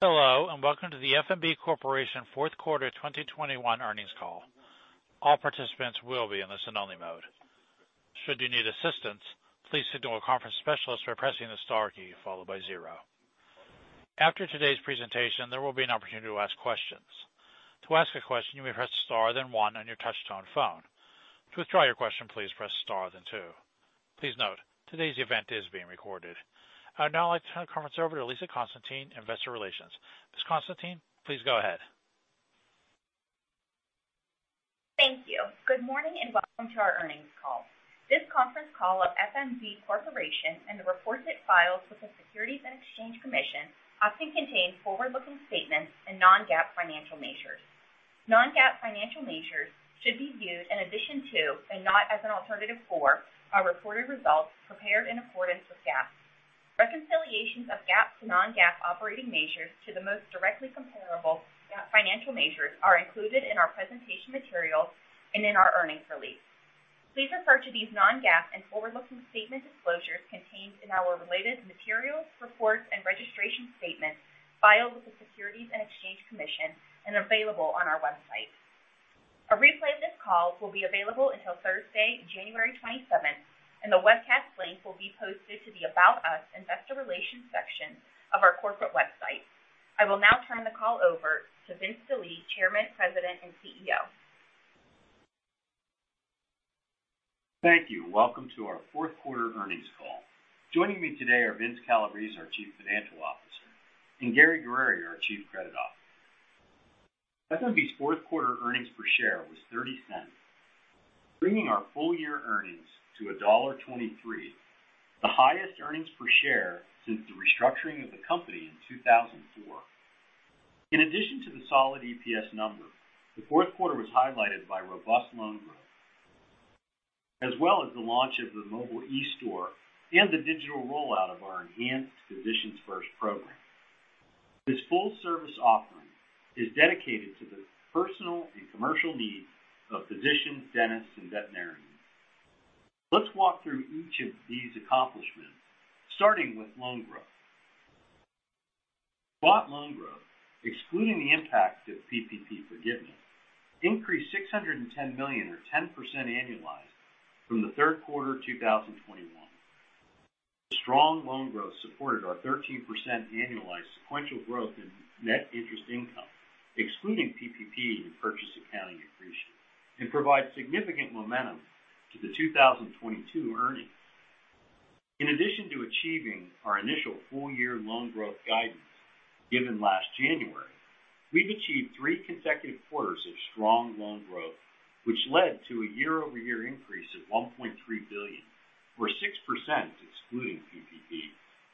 Hello, and welcome to the F.N.B. Corporation Q4 2021 Earnings Call. All participants will be in listen only mode. Should you need assistance, please signal a conference specialist by pressing the star key followed by zero. After today's presentation, there will be an opportunity to ask questions. To ask a question, you may press star then one on your touchtone phone. To withdraw your question, please press star then two. Please note, today's event is being recorded. I'd now like to turn the conference over to Lisa Constantine, Investor Relations. Ms. Constantine, please go ahead. Thank you. Good morning and welcome to our earnings call. This conference call of F.N.B. Corporation and the reports it files with the Securities and Exchange Commission often contain forward-looking statements and non-GAAP financial measures. Non-GAAP financial measures should be used in addition to and not as an alternative for our reported results prepared in accordance with GAAP. Reconciliations of GAAP to non-GAAP operating measures to the most directly comparable GAAP financial measures are included in our presentation materials and in our earnings release. Please refer to these non-GAAP and forward-looking statement disclosures contained in our related materials, reports, and registration statements filed with the Securities and Exchange Commission and available on our website. A replay of this call will be available until Thursday, January 27th, and the webcast link will be posted to the About Us Investor Relations section of our corporate website. I will now turn the call over to Vince Delie, Chairman, President, and CEO. Thank you. Welcome to our Q4 Earnings Call. Joining me today are Vince Calabrese, our Chief Financial Officer, and Gary Guerrieri, our Chief Credit Officer. FNB's Q4 earnings per share was $0.30, bringing our full year earnings to $1.23, the highest earnings per share since the restructuring of the company in 2004. In addition to the solid EPS number, the Q4 was highlighted by robust loan growth, as well as the launch of the mobile eStore and the digital rollout of our enhanced Physicians First program. This full service offering is dedicated to the personal and commercial needs of physicians, dentists, and veterinarians. Let's walk through each of these accomplishments, starting with loan growth. Spot loan growth, excluding the impact of PPP forgiveness, increased $610 million or 10% annualized from the Q3 2021. The strong loan growth supported our 13% annualized sequential growth in net interest income, excluding PPP and purchase accounting accretion, and provides significant momentum to the 2022 earnings. In addition to achieving our initial full year loan growth guidance given last January, we've achieved three consecutive quarters of strong loan growth, which led to a year-over-year increase of $1.3 billion or 6% excluding PPP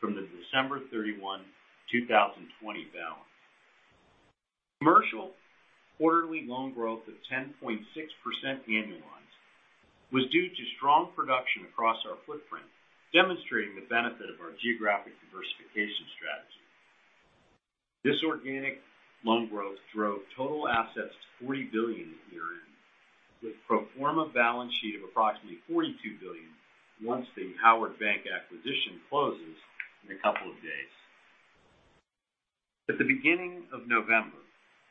from the December 31, 2020 balance. Commercial quarterly loan growth of 10.6% annualized was due to strong production across our footprint, demonstrating the benefit of our geographic diversification strategy. This organic loan growth drove total assets to $40 billion year-end, with pro forma balance sheet of approximately $42 billion once the Howard Bank acquisition closes in a couple of days. At the beginning of November,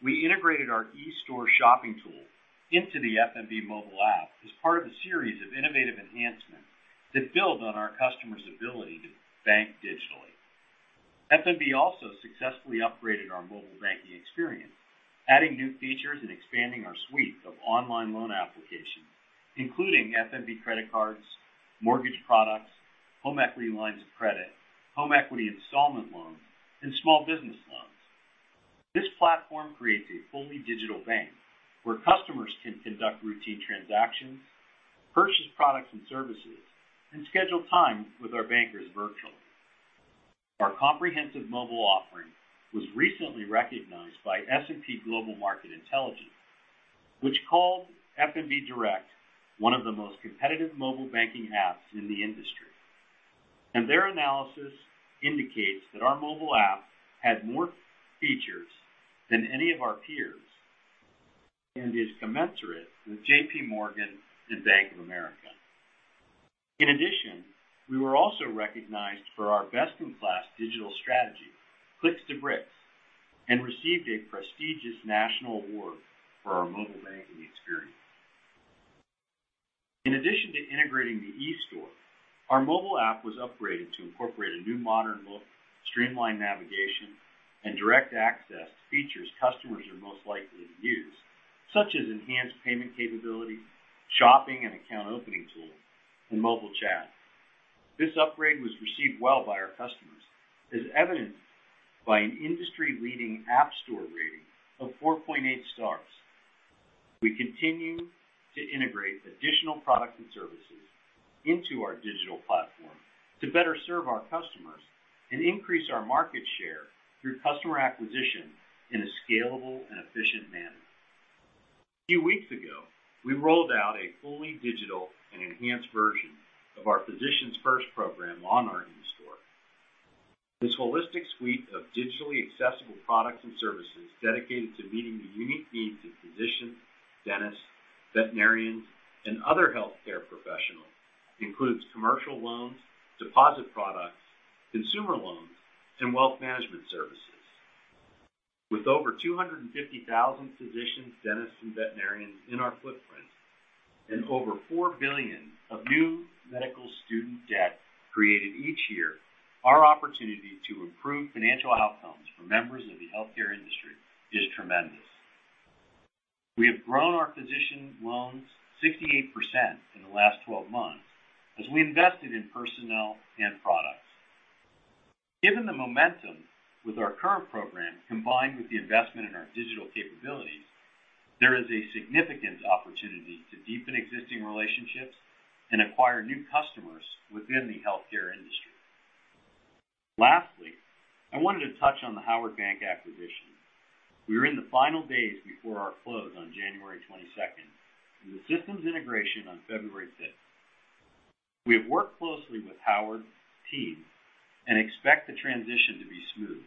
we integrated our eStore shopping tool into the FNB mobile app as part of a series of innovative enhancements that build on our customers' ability to bank digitally. FNB also successfully upgraded our mobile banking experience, adding new features and expanding our suite of online loan applications, including FNB credit cards, mortgage products, home equity lines of credit, home equity installment loans, and small business loans. This platform creates a fully digital bank where customers can conduct routine transactions, purchase products and services, and schedule time with our bankers virtually. Our comprehensive mobile offering was recently recognized by S&P Global Market Intelligence, which called FNB Direct one of the most competitive mobile banking apps in the industry. Their analysis indicates that our mobile app had more features than any of our peers and is commensurate with J.P. Morgan and Bank of America. In addition, we were also recognized for our best-in-class digital strategy, Clicks-to-Bricks, and received a prestigious national award for our mobile banking experience. In addition to integrating the eStore, our mobile app was upgraded to incorporate a new modern look, streamlined navigation, and direct access to features customers are most likely to use, such as enhanced payment capabilities, shopping and account opening tools, and mobile chat. This upgrade was received well by our customers, as evidenced by an industry-leading App Store rating of 4.8 stars. We continue to integrate additional products and services into our digital platform to better serve our customers and increase our market share through customer acquisition in a scalable and efficient manner. A few weeks ago, we rolled out a fully digital and enhanced version of our Physicians First program on our eStore. This holistic suite of digitally accessible products and services dedicated to meeting the unique needs of physicians, dentists, veterinarians, and other healthcare professionals. Includes commercial loans, deposit products, consumer loans, and wealth management services. With over 250,000 physicians, dentists and veterinarians in our footprint and over $4 billion of new medical student debt created each year, our opportunity to improve financial outcomes for members of the healthcare industry is tremendous. We have grown our physician loans 68% in the last 12 months as we invested in personnel and products. Given the momentum with our current program, combined with the investment in our digital capabilities, there is a significant opportunity to deepen existing relationships and acquire new customers within the healthcare industry. Lastly, I wanted to touch on the Howard Bancorp acquisition. We are in the final days before our close on January 22, and the systems integration on February 5. We have worked closely with Howard's team and expect the transition to be smooth.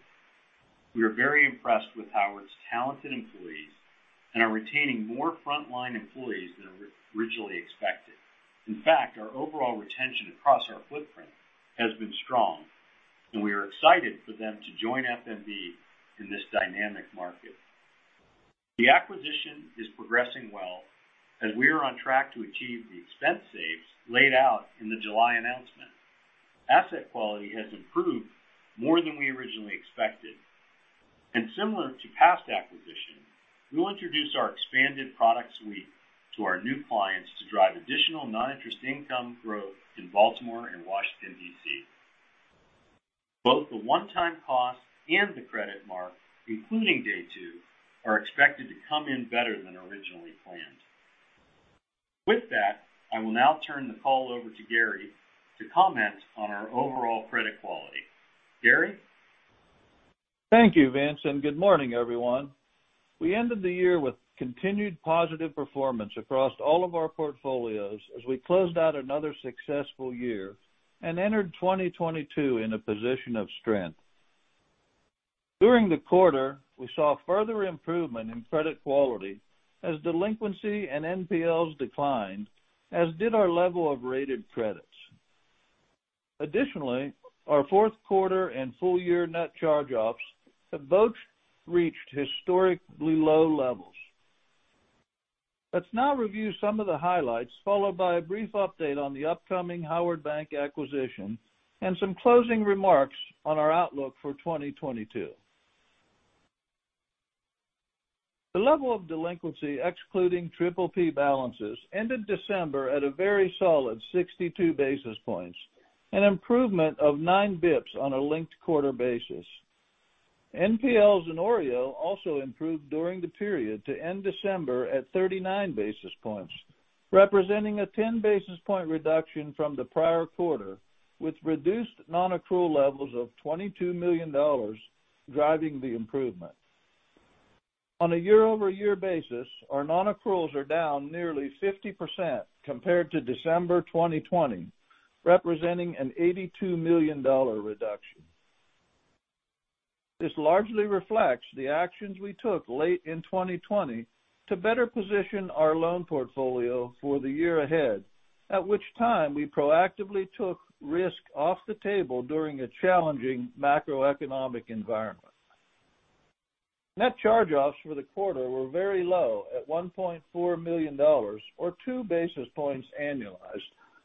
We are very impressed with Howard's talented employees and are retaining more frontline employees than originally expected. In fact, our overall retention across our footprint has been strong, and we are excited for them to join FNB in this dynamic market. The acquisition is progressing well as we are on track to achieve the expense saves laid out in the July announcement. Asset quality has improved more than we originally expected. Similar to past acquisitions, we will introduce our expanded product suite to our new clients to drive additional non-interest income growth in Baltimore and Washington, D.C. Both the one-time cost and the credit mark, including day two, are expected to come in better than originally planned. With that, I will now turn the call over to Gary to comment on our overall credit quality. Gary? Thank you, Vince, and good morning, everyone. We ended the year with continued positive performance across all of our portfolios as we closed out another successful year and entered 2022 in a position of strength. During the quarter, we saw further improvement in credit quality as delinquency and NPLs declined, as did our level of rated credits. Additionally, our Q4 and full year net charge-offs have both reached historically low levels. Let's now review some of the highlights, followed by a brief update on the upcoming Howard Bancorp acquisition and some closing remarks on our outlook for 2022. The level of delinquency, excluding PPP balances, ended December at a very solid 62 basis points, an improvement of 9 basis points on a linked-quarter basis. NPLs in OREO also improved during the period to end December at 39 basis points, representing a 10 basis point reduction from the prior quarter, with reduced non-accrual levels of $22 million driving the improvement. On a year-over-year basis, our non-accruals are down nearly 50% compared to December 2020, representing an $82 million reduction. This largely reflects the actions we took late in 2020 to better position our loan portfolio for the year ahead, at which time we proactively took risk off the table during a challenging macroeconomic environment. Net charge-offs for the quarter were very low at $1.4 million or 2 basis points annualized,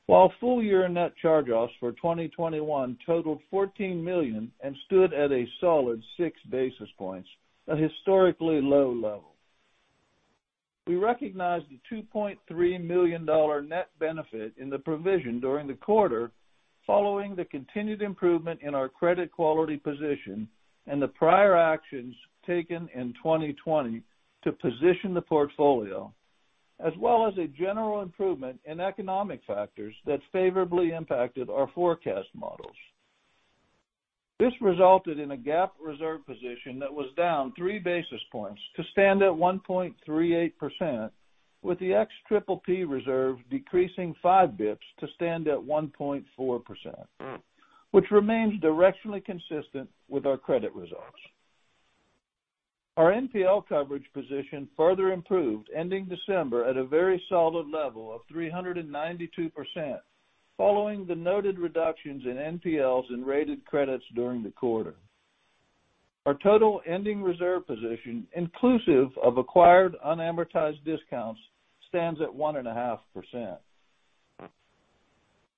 while full year net charge-offs for 2021 totaled $14 million and stood at a solid 6 basis points, a historically low level. We recognized the $2.3 million net benefit in the provision during the quarter, following the continued improvement in our credit quality position and the prior actions taken in 2020 to position the portfolio, as well as a general improvement in economic factors that favorably impacted our forecast models. This resulted in a GAAP reserve position that was down 3 basis points to stand at 1.38%, with the ex-PPP reserve decreasing 5 basis points to stand at 1.4%, which remains directionally consistent with our credit results. Our NPL coverage position further improved, ending December at a very solid level of 392%, following the noted reductions in NPLs and rated credits during the quarter. Our total ending reserve position, inclusive of acquired unamortized discounts, stands at 1.5%.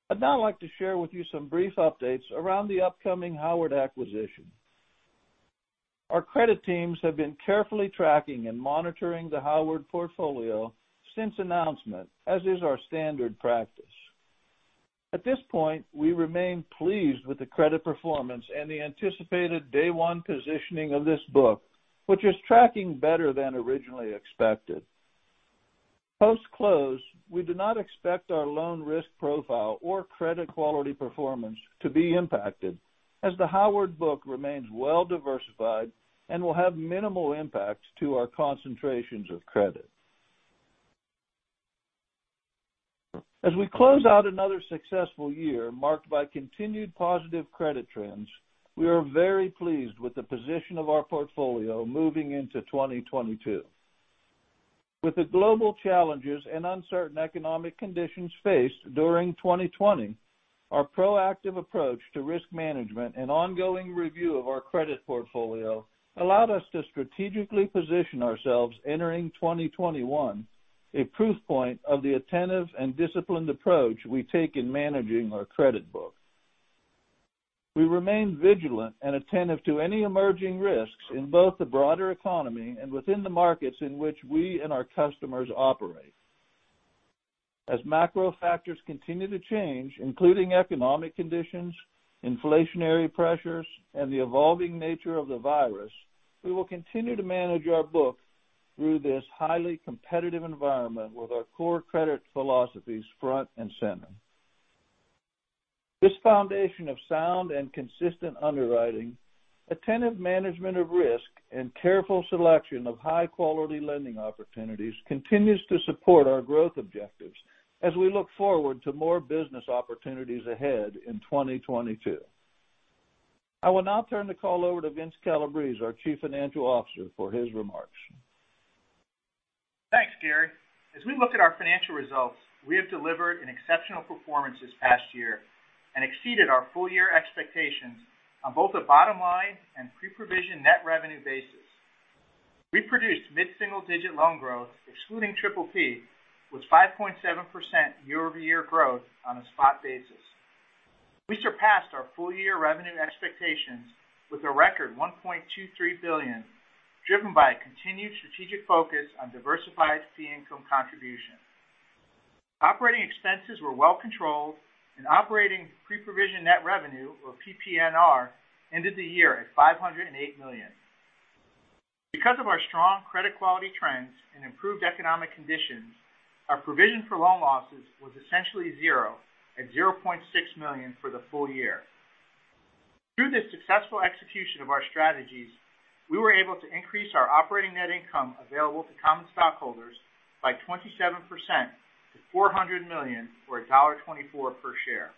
I'd now like to share with you some brief updates around the upcoming Howard acquisition. Our credit teams have been carefully tracking and monitoring the Howard portfolio since announcement, as is our standard practice. At this point, we remain pleased with the credit performance and the anticipated day one positioning of this book, which is tracking better than originally expected. Post-close, we do not expect our loan risk profile or credit quality performance to be impacted as the Howard book remains well diversified and will have minimal impact to our concentrations of credit. As we close out another successful year marked by continued positive credit trends, we are very pleased with the position of our portfolio moving into 2022. With the global challenges and uncertain economic conditions faced during 2020, our proactive approach to risk management and ongoing review of our credit portfolio allowed us to strategically position ourselves entering 2021, a proof point of the attentive and disciplined approach we take in managing our credit book. We remain vigilant and attentive to any emerging risks in both the broader economy and within the markets in which we and our customers operate. As macro factors continue to change, including economic conditions, inflationary pressures, and the evolving nature of the virus, we will continue to manage our book through this highly competitive environment with our core credit philosophies front and center. This foundation of sound and consistent underwriting, attentive management of risk, and careful selection of high quality lending opportunities continues to support our growth objectives as we look forward to more business opportunities ahead in 2022. I will now turn the call over to Vince Calabrese, our Chief Financial Officer, for his remarks. Thanks, Gary. As we look at our financial results, we have delivered an exceptional performance this past year and exceeded our full year expectations on both the bottom line and pre-provision net revenue basis. We produced mid-single digit loan growth, excluding PPP, with 5.7% year-over-year growth on a spot basis. We surpassed our full year revenue expectations with a record $1.23 billion, driven by a continued strategic focus on diversified fee income contribution. Operating expenses were well controlled and operating pre-provision net revenue, or PPNR, ended the year at $508 million. Because of our strong credit quality trends and improved economic conditions, our provision for loan losses was essentially zero at $0.6 million for the full year. Through the successful execution of our strategies, we were able to increase our operating net income available to common stockholders by 27% to $400 million or $1.24 per share.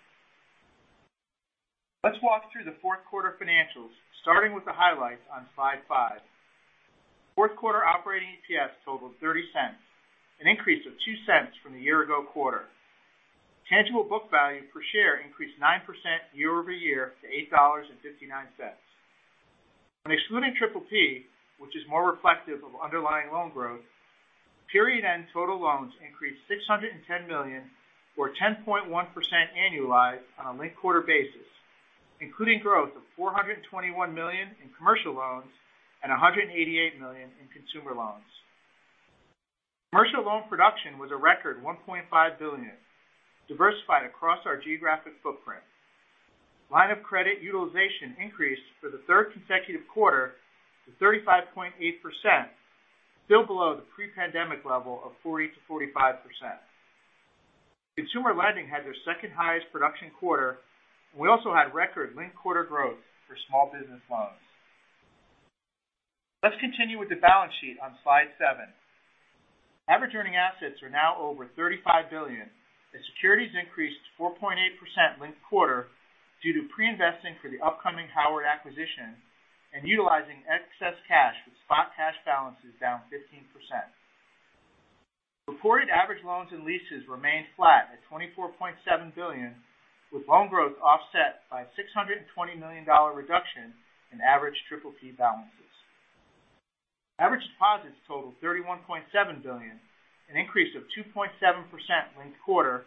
Let's walk through the Q4 financials, starting with the highlights on slide 5. Q4 operating EPS totaled $0.30, an increase of $0.02 from the year-ago quarter. Tangible book value per share increased 9% year-over-year to $8.59. When excluding PPP, which is more reflective of underlying loan growth, period-end total loans increased $610 million or 10.1% annualized on a linked-quarter basis, including growth of $421 million in commercial loans and $188 million in consumer loans. Commercial loan production was a record $1.5 billion, diversified across our geographic footprint. Line of credit utilization increased for the third consecutive quarter to 35.8%, still below the pre-pandemic level of 40%-45%. Consumer lending had their second highest production quarter. We also had record linked quarter growth for small business loans. Let's continue with the balance sheet on slide 7. Average earning assets are now over $35 billion, and securities increased 4.8% linked quarter due to pre-investing for the upcoming Howard acquisition and utilizing excess cash with spot cash balances down 15%. Reported average loans and leases remained flat at $24.7 billion, with loan growth offset by $620 million reduction in average PPP balances. Average deposits totaled $31.7 billion, an increase of 2.7% linked quarter,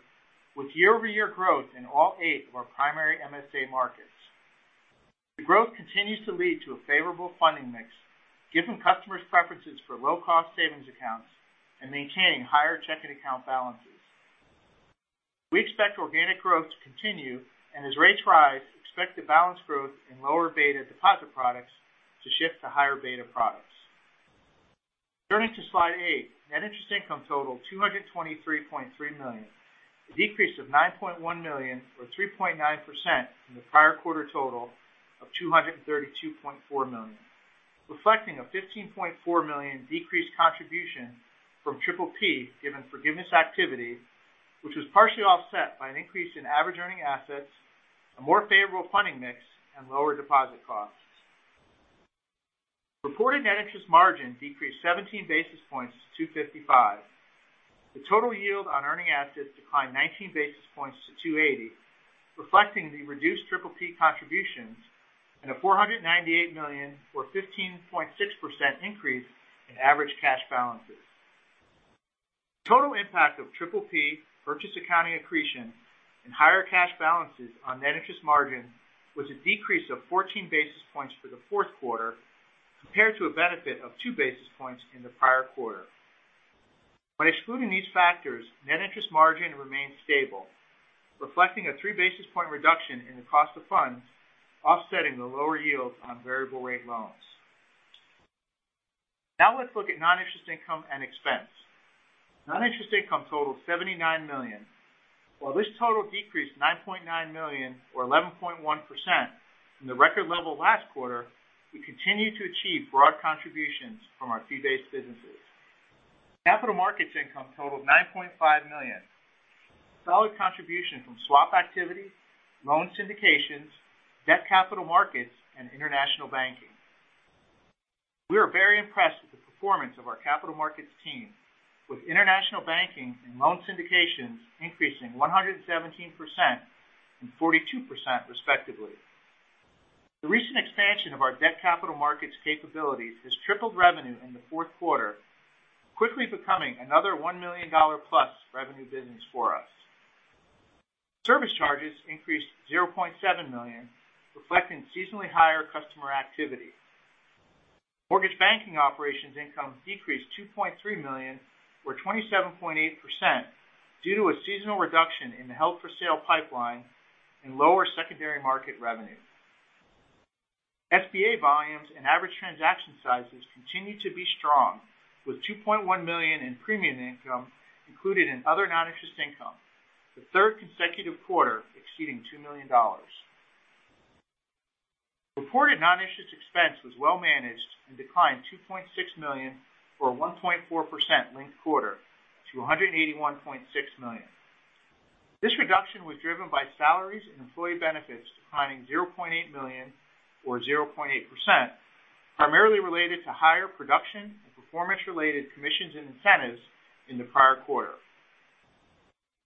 with year-over-year growth in all eight of our primary MSA markets. The growth continues to lead to a favorable funding mix, given customers' preferences for low-cost savings accounts and maintaining higher checking account balances. We expect organic growth to continue, and as rates rise, expect the balance growth in lower beta deposit products to shift to higher beta products. Turning to slide 8, net interest income totaled $223.3 million, a decrease of $9.1 million or 3.9% from the prior quarter total of $232.4 million, reflecting a $15.4 million decreased contribution from PPP given forgiveness activity, which was partially offset by an increase in average earning assets, a more favorable funding mix, and lower deposit costs. Reported net interest margin decreased 17 basis points to 255. The total yield on earning assets declined 19 basis points to 2.80, reflecting the reduced PPP contributions and a $498 million or 15.6% increase in average cash balances. Total impact of PPP, purchase accounting accretion, and higher cash balances on net interest margin was a decrease of 14 basis points for the Q4 compared to a benefit of 2 basis points in the prior quarter. When excluding these factors, net interest margin remained stable, reflecting a 3 basis point reduction in the cost of funds, offsetting the lower yields on variable rate loans. Now let's look at non-interest income and expense. Non-interest income totaled $79 million. While this total decreased $9.9 million or 11.1% from the record level last quarter, we continue to achieve broad contributions from our fee-based businesses. Capital markets income totaled $9.5 million. Solid contribution from swap activity, loan syndications, debt capital markets, and international banking. We are very impressed with the performance of our capital markets team, with international banking and loan syndications increasing 117% and 42% respectively. The recent expansion of our debt capital markets capabilities has tripled revenue in the Q4, quickly becoming another $1 million-plus revenue business for us. Service charges increased $0.7 million, reflecting seasonally higher customer activity. Mortgage banking operations income decreased $2.3 million, or 27.8%, due to a seasonal reduction in the held-for-sale pipeline and lower secondary market revenue. SBA volumes and average transaction sizes continued to be strong, with $2.1 million in premium income included in other non-interest income, the third consecutive quarter exceeding $2 million. Reported non-interest expense was well managed and declined $2.6 million or 1.4% linked quarter to $181.6 million. This reduction was driven by salaries and employee benefits declining $0.8 million or 0.8%, primarily related to higher production and performance-related commissions and incentives in the prior quarter.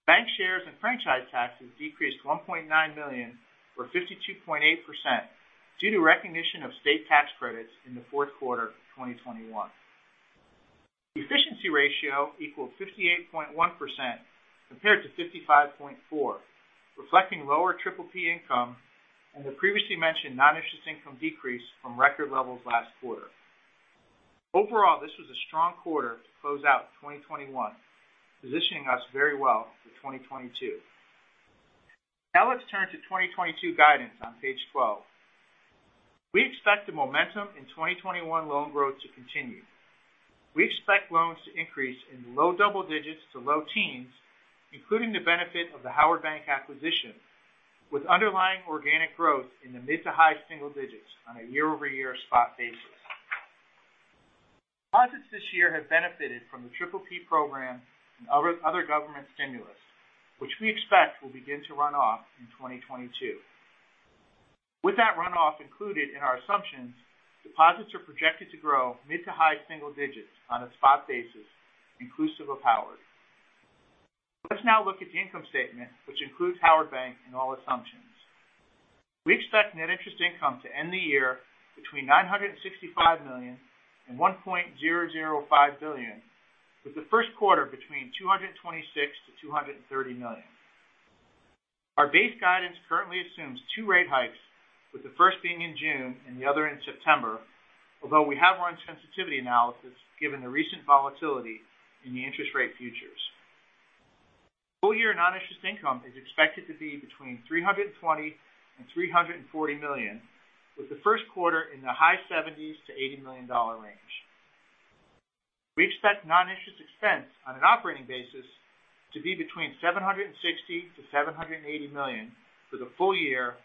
Bank shares and franchise taxes decreased $1.9 million or 52.8% due to recognition of state tax credits in the Q4 of 2021. Efficiency ratio equaled 58.1% compared to 55.4%, reflecting lower PPP income and the previously mentioned non-interest income decrease from record levels last quarter. Overall, this was a strong quarter to close out 2021, positioning us very well for 2022. Now let's turn to 2022 guidance on page 12. We expect the momentum in 2021 loan growth to continue. We expect loans to increase in low double digits to low teens, including the benefit of the Howard Bancorp acquisition, with underlying organic growth in the mid to high single digits on a year-over-year spot basis. Deposits this year have benefited from the PPP program and other government stimulus, which we expect will begin to run off in 2022. With that runoff included in our assumptions, deposits are projected to grow mid to high single digits on a spot basis inclusive of Howard. Let's now look at the income statement, which includes Howard Bancorp in all assumptions. We expect net interest income to end the year between $965 million-$1.005 billion, with the Q1 between $226 million-$230 million. Our base guidance currently assumes two rate hikes, with the first being in June and the other in September, although we have run sensitivity analysis given the recent volatility in the interest rate futures. Full-year non-interest income is expected to be between $320 million and $340 million, with the Q1 in the high 70s to 80 million dollar range. We expect non-interest expense on an operating basis to be between $760 million and $780 million for the full year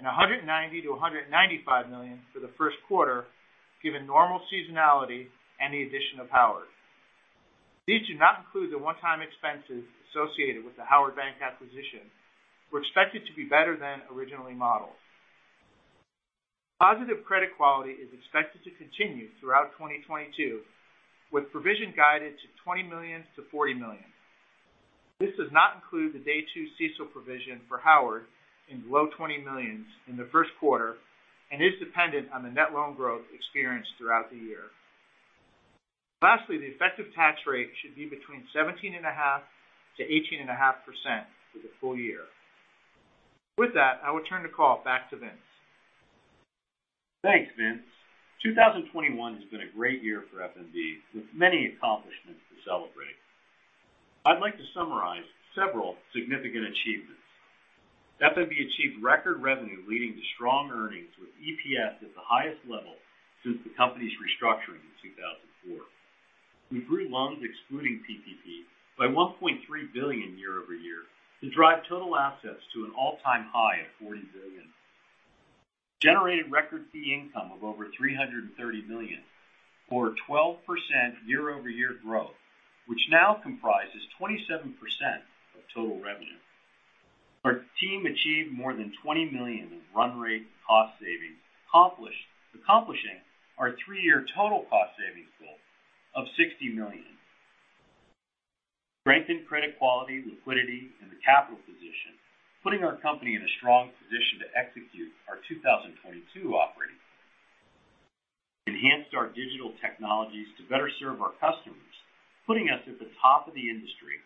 and $190 million-$195 million for the Q1, given normal seasonality and the addition of Howard. These do not include the one-time expenses associated with the Howard Bank acquisition. We're expected to be better than originally modeled. Positive credit quality is expected to continue throughout 2022, with provision guided to $20 million-$40 million. This does not include the day two CECL provision for Howard in the low $20 million in the Q1 and is dependent on the net loan growth experienced throughout the year. Lastly, the effective tax rate should be between 17.5%-18.5% for the full year. With that, I will turn the call back to Vince. Thanks, Vince. 2021 has been a great year for FNB, with many accomplishments to celebrate. I'd like to summarize several significant achievements. FNB achieved record revenue leading to strong earnings with EPS at the highest level since the company's restructuring in 2004. We grew loans excluding PPP by $1.3 billion year-over-year to drive total assets to an all-time high of $40 billion. Generated record fee income of over $330 million, or a 12% year-over-year growth, which now comprises 27% of total revenue. Our team achieved more than $20 million in run rate cost savings, accomplishing our three-year total cost savings goal of $60 million. Strengthened credit quality, liquidity, and the capital position, putting our company in a strong position to execute our 2022 operating plan. enhanced our digital technologies to better serve our customers, putting us at the top of the industry.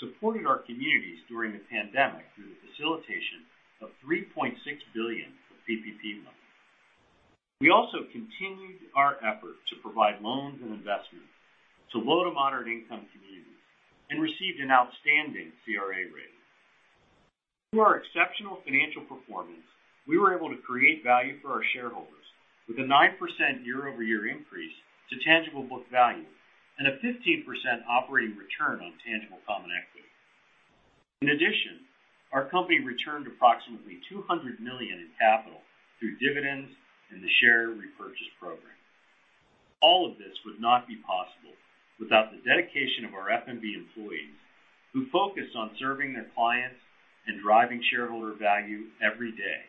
Supported our communities during the pandemic through the facilitation of $3.6 billion of PPP loans. We also continued our effort to provide loans and investments to low- to moderate-income communities and received an outstanding CRA rating. Through our exceptional financial performance, we were able to create value for our shareholders with a 9% year-over-year increase to tangible book value and a 15% operating return on tangible common equity. In addition, our company returned approximately $200 million in capital through dividends and the share repurchase program. All of this would not be possible without the dedication of our FNB employees, who focus on serving their clients and driving shareholder value every day.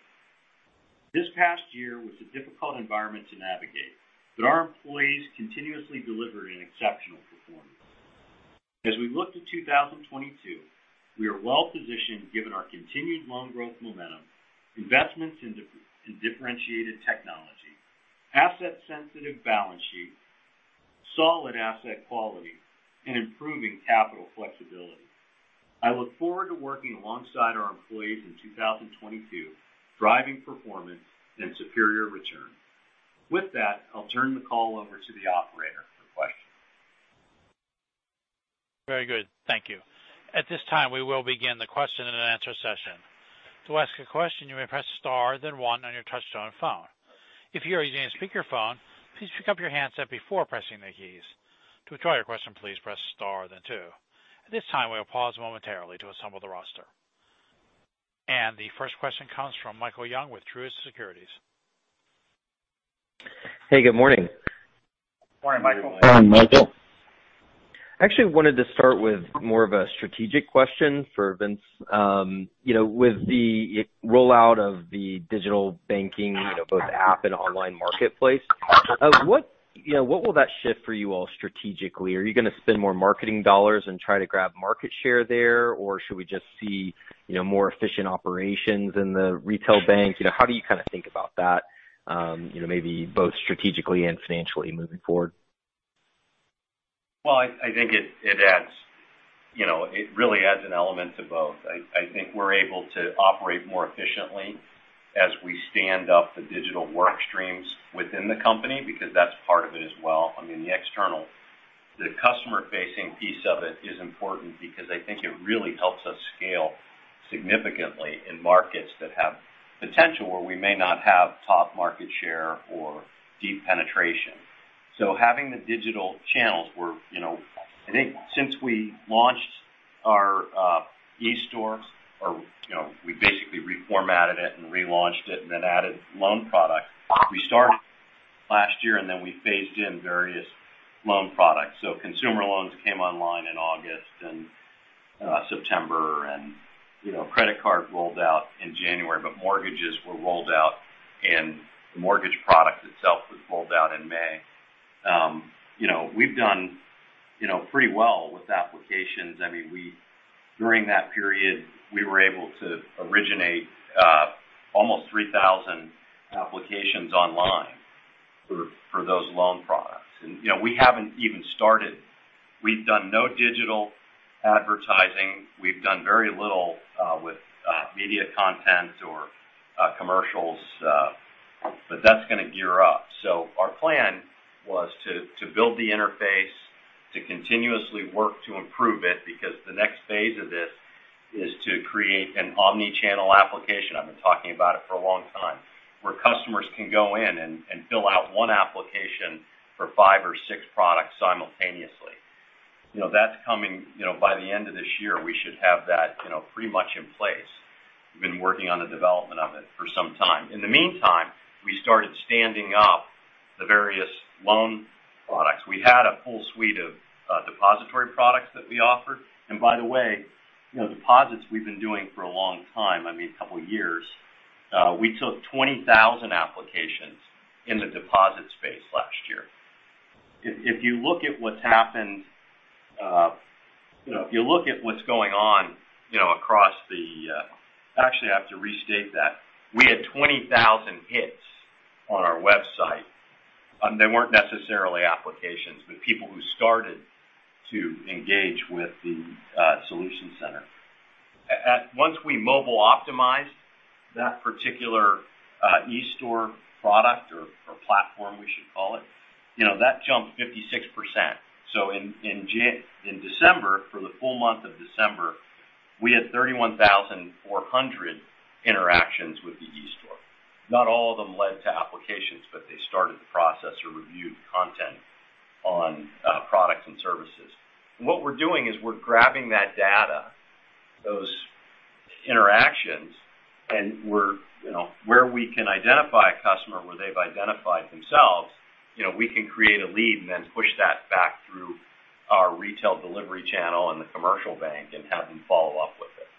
This past year was a difficult environment to navigate, but our employees continuously delivered an exceptional performance. As we look to 2022, we are well positioned given our continued loan growth momentum, investments in differentiated technology, asset sensitive balance sheet, solid asset quality, and improving capital flexibility. I look forward to working alongside our employees in 2022, driving performance and superior return. With that, I'll turn the call over to the operator for questions. Very good. Thank you. At this time, we will begin the question and answer session. To ask a question, you may press star then one on your touch-tone phone. If you are using a speakerphone, please pick up your handset before pressing the keys. To withdraw your question, please press star then two. At this time, we'll pause momentarily to assemble the roster. The first question comes from Michael Young with Truist Securities. Hey, good morning. Morning, Michael. Morning, Michael. I actually wanted to start with more of a strategic question for Vince. You know, with the rollout of the digital banking, you know, both app and online marketplace, what, you know, what will that shift for you all strategically? Are you going to spend more marketing dollars and try to grab market share there, or should we just see, you know, more efficient operations in the retail bank? You know, how do you kind of think about that, you know, maybe both strategically and financially moving forward? Well, I think it adds, you know, it really adds an element to both. I think we're able to operate more efficiently as we stand up the digital work streams within the company because that's part of it as well. I mean, the external, the customer facing piece of it is important because I think it really helps us scale significantly in markets that have potential where we may not have top market share or deep penetration. Having the digital channels where, you know, I think since we launched our eStore or, you know, we basically reformatted it and relaunched it and then added loan products. We started last year, and then we phased in various loan products. Consumer loans came online in August and September. You know, credit card rolled out in January, but mortgages were rolled out, and the mortgage product itself was rolled out in May. You know, we've done, you know, pretty well with applications. I mean, during that period, we were able to originate almost 3,000 applications online for those loan products. You know, we haven't even started. We've done no digital advertising. We've done very little with media content or commercials. That's going to gear up. Our plan was to build the interface, to continuously work to improve it because the next phase of this is to create an omni-channel application. I've been talking about it for a long time, where customers can go in and fill out one application for five or six products simultaneously. You know, that's coming. You know, by the end of this year, we should have that, you know, pretty much in place. We've been working on the development of it for some time. In the meantime, we started standing up the various loan products. We had a full suite of depository products that we offer. By the way, you know, deposits we've been doing for a long time, I mean, a couple of years. We took 20,000 applications in the deposit space last year. If you look at what's happened, you know, if you look at what's going on across the. Actually, I have to restate that. We had 20,000 hits on our website. They weren't necessarily applications, but people who started to engage with the solution center. Once we mobile optimized that particular eStore product or platform, we should call it, you know, that jumped 56%. In December, for the full month of December, we had 31,400 interactions with the eStore. Not all of them led to applications, but they started the process or reviewed content on products and services. What we're doing is we're grabbing that data, those interactions, and we're, you know, where we can identify a customer where they've identified themselves, you know, we can create a lead and then push that back through our retail delivery channel and the commercial bank and have them follow up with it.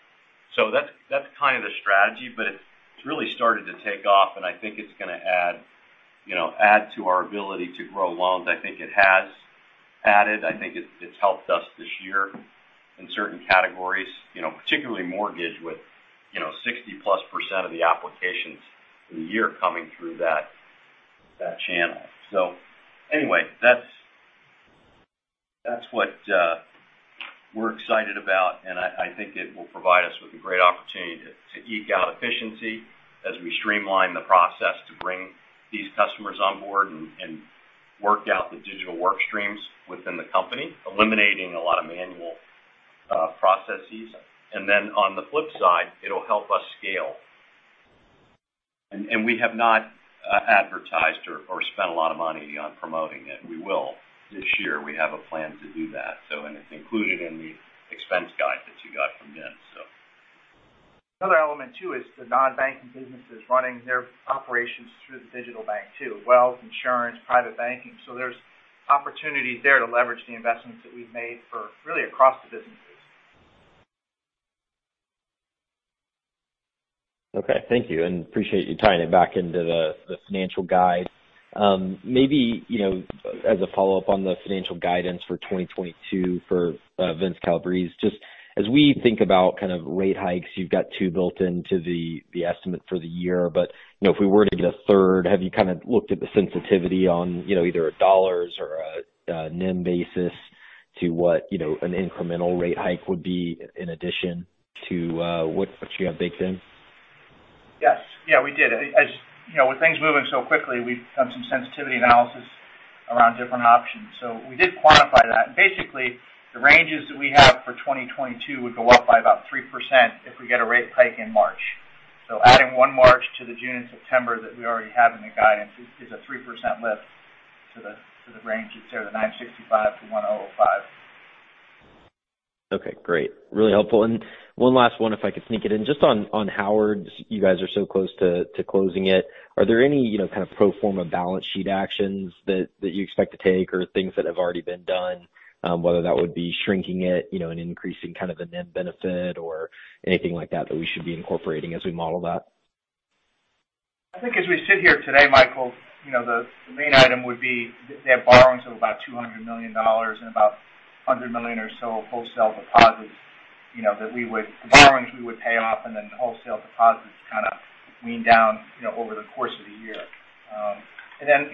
That's kind of the strategy, but it's really started to take off, and I think it's going to add, you know, to our ability to grow loans. I think it has added. I think it's helped us this year in certain categories, you know, particularly mortgage with, you know, 60%+ of the applications in the year coming through that channel. Anyway, that's what we're excited about, and I think it will provide us with a great opportunity to eke out efficiency as we streamline the process to bring these customers on board and work out the digital work streams within the company, eliminating a lot of manual processes. On the flip side, it'll help us scale. We have not advertised or spent a lot of money on promoting it. We will. This year, we have a plan to do that. It's included in the expense guide that you got from Vince, so. Another element too is the non-banking businesses, wealth, insurance, private banking, running their operations through the digital bank too. There's opportunities there to leverage the investments that we've made for really across the businesses. Okay. Thank you, and appreciate you tying it back into the financial guide. Maybe you know as a follow-up on the financial guidance for 2022 for Vince Calabrese, just as we think about kind of rate hikes, you've got two built into the estimate for the year. You know if we were to get a third, have you kind of looked at the sensitivity on you know either dollars or a NIM basis to what you know an incremental rate hike would be in addition to what you have baked in? Yes. Yeah, we did. As you know, with things moving so quickly, we've done some sensitivity analysis around different options. We did quantify that. Basically, the ranges that we have for 2022 would go up by about 3% if we get a rate hike in March. Adding one March to the June and September that we already have in the guidance is a 3% lift to the range that's there, the $965 million-$1.05 billion. Okay, great. Really helpful. One last one, if I could sneak it in. Just on Howard's, you guys are so close to closing it. Are there any, you know, kind of pro forma balance sheet actions that you expect to take or things that have already been done, whether that would be shrinking it, you know, and increasing kind of the NIM benefit or anything like that we should be incorporating as we model that? I think as we sit here today, Michael, you know, the main item would be their borrowing, so about $200 million and about $100 million or so wholesale deposits, you know, the borrowings we would pay off and then wholesale deposits kinda wean down, you know, over the course of the year.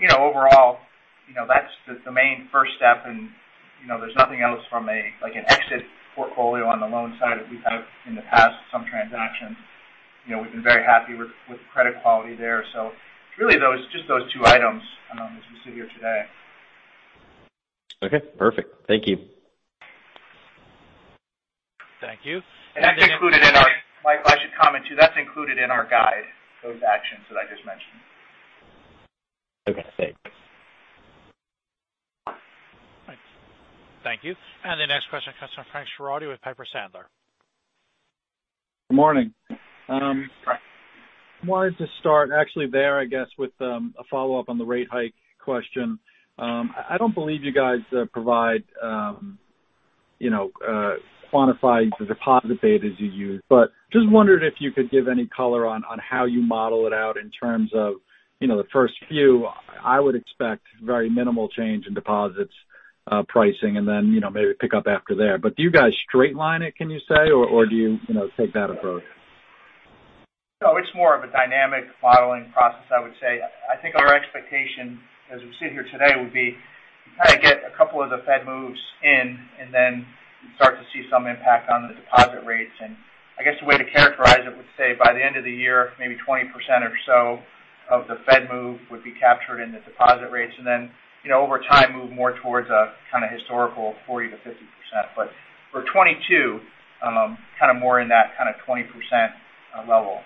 You know, overall, you know, that's the main first step and, you know, there's nothing else from a, like, an exit portfolio on the loan side that we've had in the past some transactions. You know, we've been very happy with credit quality there. Really those, just those two items, as we sit here today. Okay, perfect. Thank you. Thank you. That's included in our, Mike, I should comment too, that's included in our guide, those actions that I just mentioned. Okay, thanks. Thanks. Thank you. The next question comes from Frank Schiraldi with Piper Sandler. Good morning. Frank. wanted to start actually there, I guess, with a follow-up on the rate hike question. I don't believe you guys provide you know quantify the deposit betas you use, but just wondered if you could give any color on how you model it out in terms of you know the first few. I would expect very minimal change in deposits pricing and then you know maybe pick up after there. Do you guys straight line it, can you say, or do you take that approach? No, it's more of a dynamic modeling process, I would say. I think our expectation as we sit here today would be to kind of get a couple of the Fed moves in and then start to see some impact on the deposit rates. I guess the way to characterize it would say by the end of the year, maybe 20% or so of the Fed move would be captured in the deposit rates. You know, over time, move more towards a kind of historical 40%-50%. For 2022, kind of more in that kind of 20% level.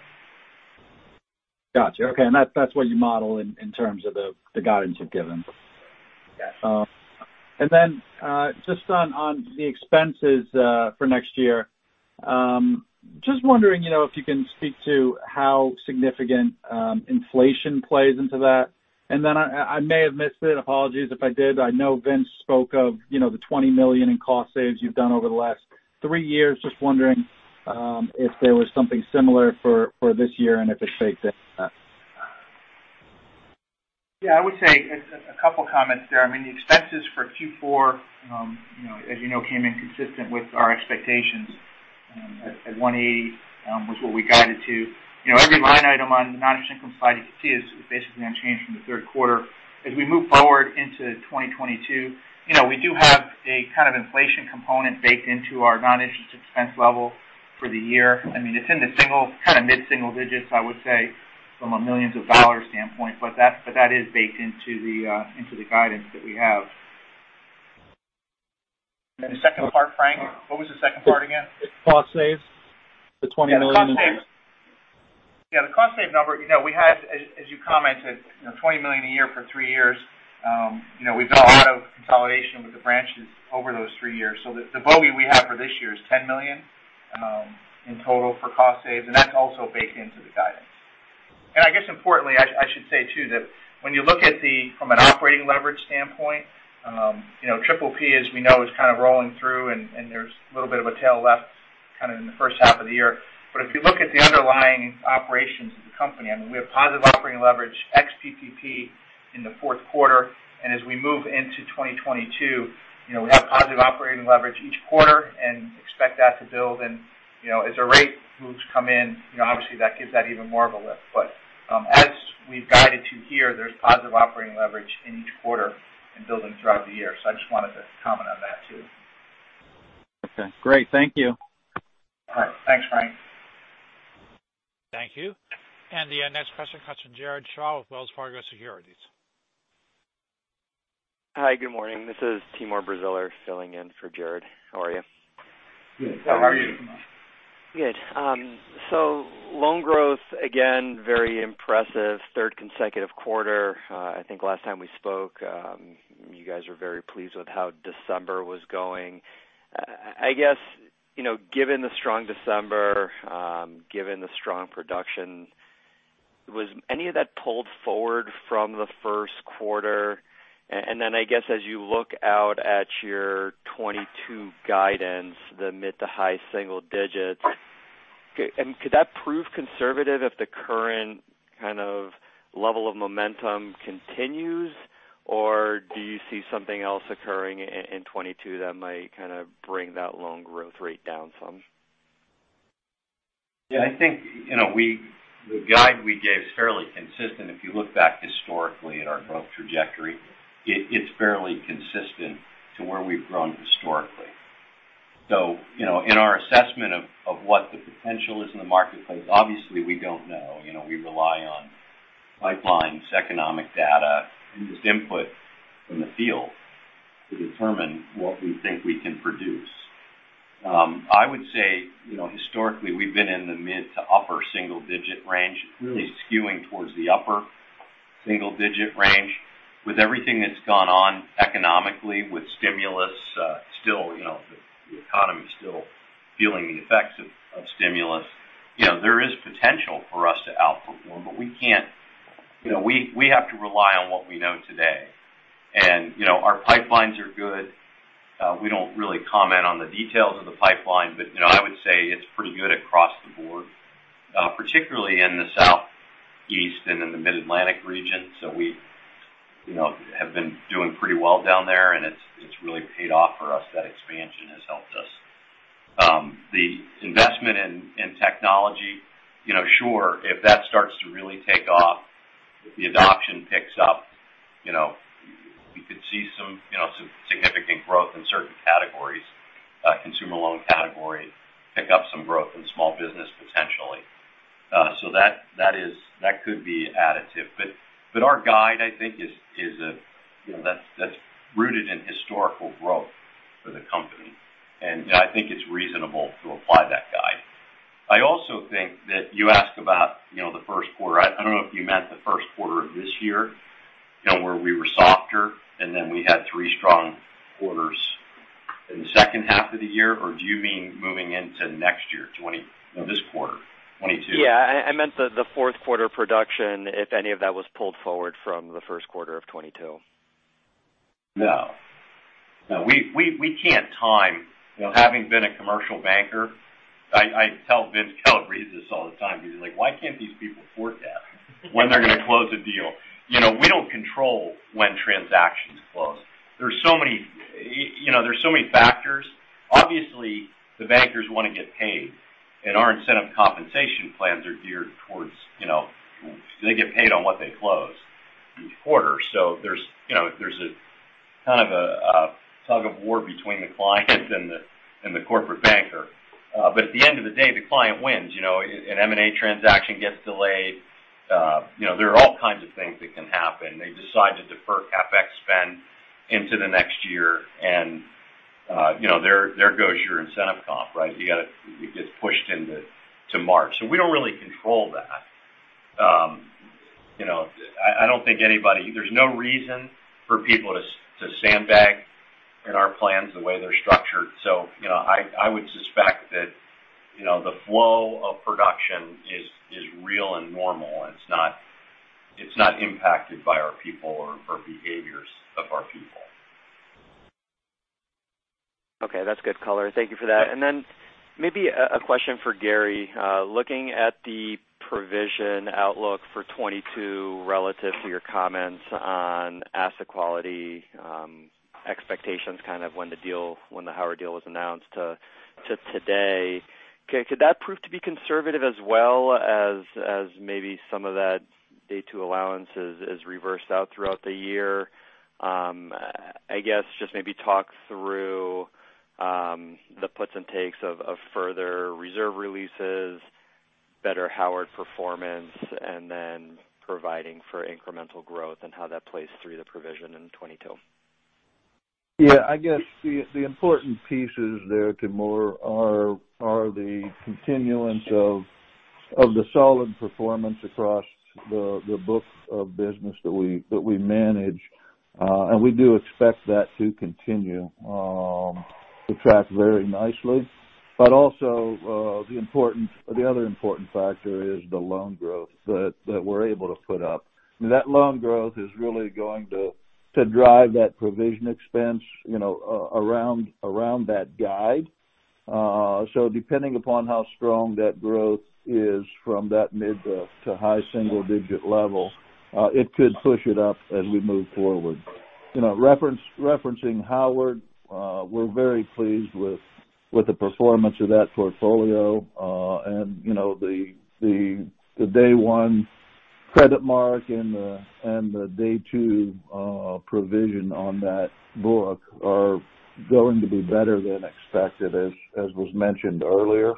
Gotcha. Okay. That, that's what you model in terms of the guidance you've given. Yes. Just on the expenses for next year, just wondering, you know, if you can speak to how significant inflation plays into that. I may have missed it, apologies if I did. I know Vince spoke of, you know, the $20 million in cost savings you've done over the last three years. Just wondering, if there was something similar for this year and if it's baked in. Yeah, I would say a couple comments there. I mean, the expenses for Q4, you know, as you know, came in consistent with our expectations, at $180 million, was what we guided to. You know, every line item on the non-interest income side you can see is basically unchanged from the Q3. As we move forward into 2022, you know, we do have a kind of inflation component baked into our non-interest expense level for the year. I mean, it's in the single, kind of mid-single digits, I would say, from a millions of dollars standpoint. But that is baked into the guidance that we have. The second part, Frank. What was the second part again? Cost savings. The $20 million- Yeah, the cost savings number, you know, we had, as you commented, you know, $20 million a year for three years. You know, we've done a lot of consolidation with the branches over those three years. The bogey we have for this year is $10 million in total for cost savings, and that's also baked into the guidance. I guess importantly, I should say too that when you look at it from an operating leverage standpoint, you know, PPP, as we know, is kind of rolling through and there's a little bit of a tail left kinda in the first half of the year. If you look at the underlying operations of the company, I mean, we have positive operating leverage ex-PPP in the Q4. As we move into 2022, you know, we have positive operating leverage each quarter and expect that to build. You know, as our rate moves come in, you know, obviously that gives that even more of a lift. As we've guided to here, there's positive operating leverage in each quarter and building throughout the year. I just wanted to comment on that too. Okay, great. Thank you. All right. Thanks, Frank. Thank you. The next question comes from Jared Shaw with Wells Fargo Securities. Hi, good morning. This is Timur Braziler filling in for Jared. How are you? Good. How are you? Good. Loan growth, again very impressive, third consecutive quarter. I think last time we spoke, you guys were very pleased with how December was going. I guess, you know, given the strong December, given the strong production, was any of that pulled forward from the Q1? Then I guess as you look out at your 2022 guidance, the mid- to high-single digits, could that prove conservative if the current kind of level of momentum continues? Or do you see something else occurring in 2022 that might kind of bring that loan growth rate down some? Yeah, I think, you know, the guide we gave is fairly consistent. If you look back historically at our growth trajectory, it's fairly consistent to where we've grown historically. You know, in our assessment of what the potential is in the marketplace, obviously, we don't know. You know, we rely on pipelines, economic data, and just input from the field to determine what we think we can produce. I would say, you know, historically, we've been in the mid to upper single digit range, really skewing towards the upper single digit range. With everything that's gone on economically with stimulus, still, you know, the economy still feeling the effects of stimulus, you know, there is potential for us to outperform, but we can't. You know, we have to rely on what we know today. You know, our pipelines are good. We don't really comment on the details of the pipeline, but, you know, I would say it's pretty good across the board, particularly in the Southeast and in the Mid-Atlantic region. We, you know, have been doing pretty well down there, and it's really paid off for us. That expansion has helped us. The investment in technology, you know, sure. If that starts to really take off, the adoption picks up, you know, we could see some, you know, some significant growth in certain categories, consumer loan categories, pick up some growth in small business potentially. That could be additive. Our guide, I think, is a, you know, that's rooted in historical growth for the company. You know, I think it's reasonable to apply that guide. I also think that you asked about, you know, the Q1. I don't know if you meant the Q1 of this year, you know, where we were softer, and then we had three strong quarters in the second half of the year. Or do you mean moving into next year, you know, this quarter, 2022? Yeah. I meant the Q4 production, if any of that was pulled forward from the Q1 of 2022? No, we can't time. You know, having been a commercial banker, I tell Vince Calabrese this all the time because he's like, "Why can't these people forecast when they're gonna close a deal?" You know, we don't control when transactions close. There's so many factors. Obviously, the bankers wanna get paid, and our incentive compensation plans are geared towards, you know, they get paid on what they close each quarter. There's a kind of a tug of war between the client and the corporate banker. But at the end of the day, the client wins. You know, an M&A transaction gets delayed. You know, there are all kinds of things that can happen. They decide to defer CapEx spend into the next year and, you know, there goes your incentive comp, right? It gets pushed to March. We don't really control that. You know, I don't think anybody— there's no reason for people to sandbag in our plans the way they're structured. You know, I would suspect that, you know, the flow of production is real and normal, and it's not impacted by our people or behaviors of our people. Okay, that's good color. Thank you for that. Then maybe a question for Gary. Looking at the provision outlook for 2022 relative to your comments on asset quality, expectations kind of when the Howard deal was announced to today, could that prove to be conservative as well as maybe some of that day two allowance is reversed out throughout the year? I guess just maybe talk through the puts and takes of further reserve releases, better Howard performance, and then providing for incremental growth and how that plays through the provision in 2022. Yeah. I guess the important pieces there, Timur, are the continuance of the solid performance across the books of business that we manage, and we do expect that to continue to track very nicely. The other important factor is the loan growth that we're able to put up. That loan growth is really going to drive that provision expense, you know, around that guide. Depending upon how strong that growth is from that mid to high single digit level, it could push it up as we move forward. You know, referencing Howard, we're very pleased with the performance of that portfolio. You know, the day one credit mark and the day two provision on that book are going to be better than expected, as was mentioned earlier.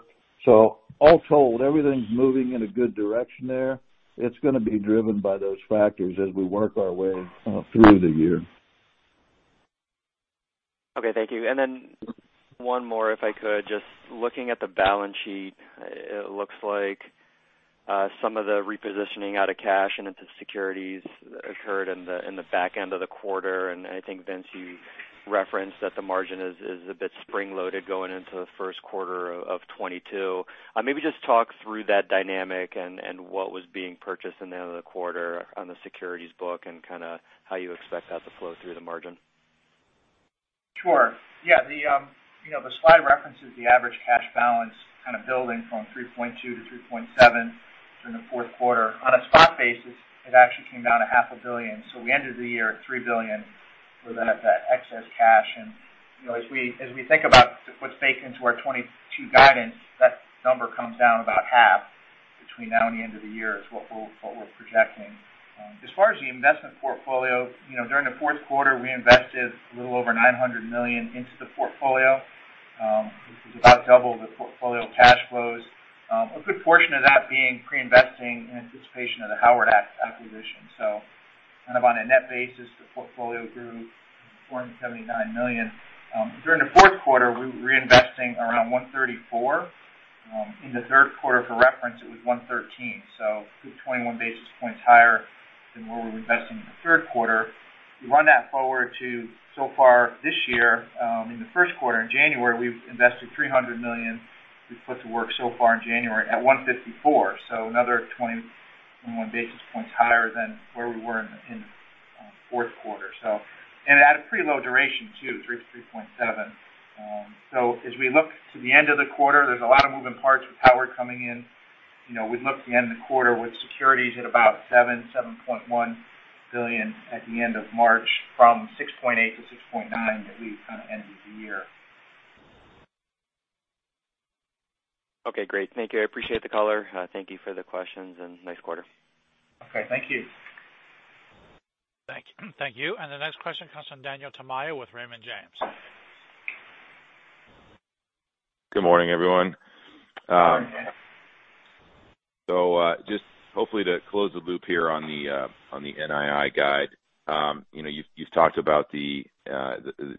All told, everything's moving in a good direction there. It's gonna be driven by those factors as we work our way through the year. Okay. Thank you. One more, if I could. Just looking at the balance sheet, it looks like some of the repositioning out of cash and into securities occurred in the back end of the quarter. I think, Vince, you referenced that the margin is a bit spring-loaded going into the Q1 of 2022. Maybe just talk through that dynamic and what was being purchased in the end of the quarter on the securities book and kind of how you expect that to flow through the margin. Sure. Yeah. The slide references the average cash balance kind of building from $3.2 billion to $3.7 billion during the Q4. On a spot basis, it actually came down half a billion. We ended the year at $3 billion with that excess cash. You know, as we think about what's baked into our 2022 guidance, that number comes down about half between now and the end of the year, which is what we're projecting. As far as the investment portfolio, you know, during the Q4, we invested a little over $900 million into the portfolio, which is about double the portfolio cash flows. A good portion of that being pre-investing in anticipation of the Howard acquisition. Kind of on a net basis, the portfolio grew $479 million. During the Q4, we were reinvesting around 134. In the Q3, for reference, it was 113. It's 21 basis points higher than what we were investing in the Q3. We run that forward to so far this year. In the Q1 in January, we've invested $300 million. We've put to work so far in January at 154, so another 21 basis points higher than where we were in Q4. And at a pretty low duration too, 3-3.7. As we look to the end of the quarter, there's a lot of moving parts with Howard coming in. You know, we'd look at the end of the quarter with securities at about $7-$7.1 billion at the end of March from $6.8-$6.9 billion that we kind of ended the year. Okay, great. Thank you. I appreciate the color. Thank you for the questions, and nice quarter. Okay. Thank you. Thank you. The next question comes from Daniel Tamayo with Raymond James. Good morning, everyone. Just hopefully to close the loop here on the NII guide. You know, you've talked about the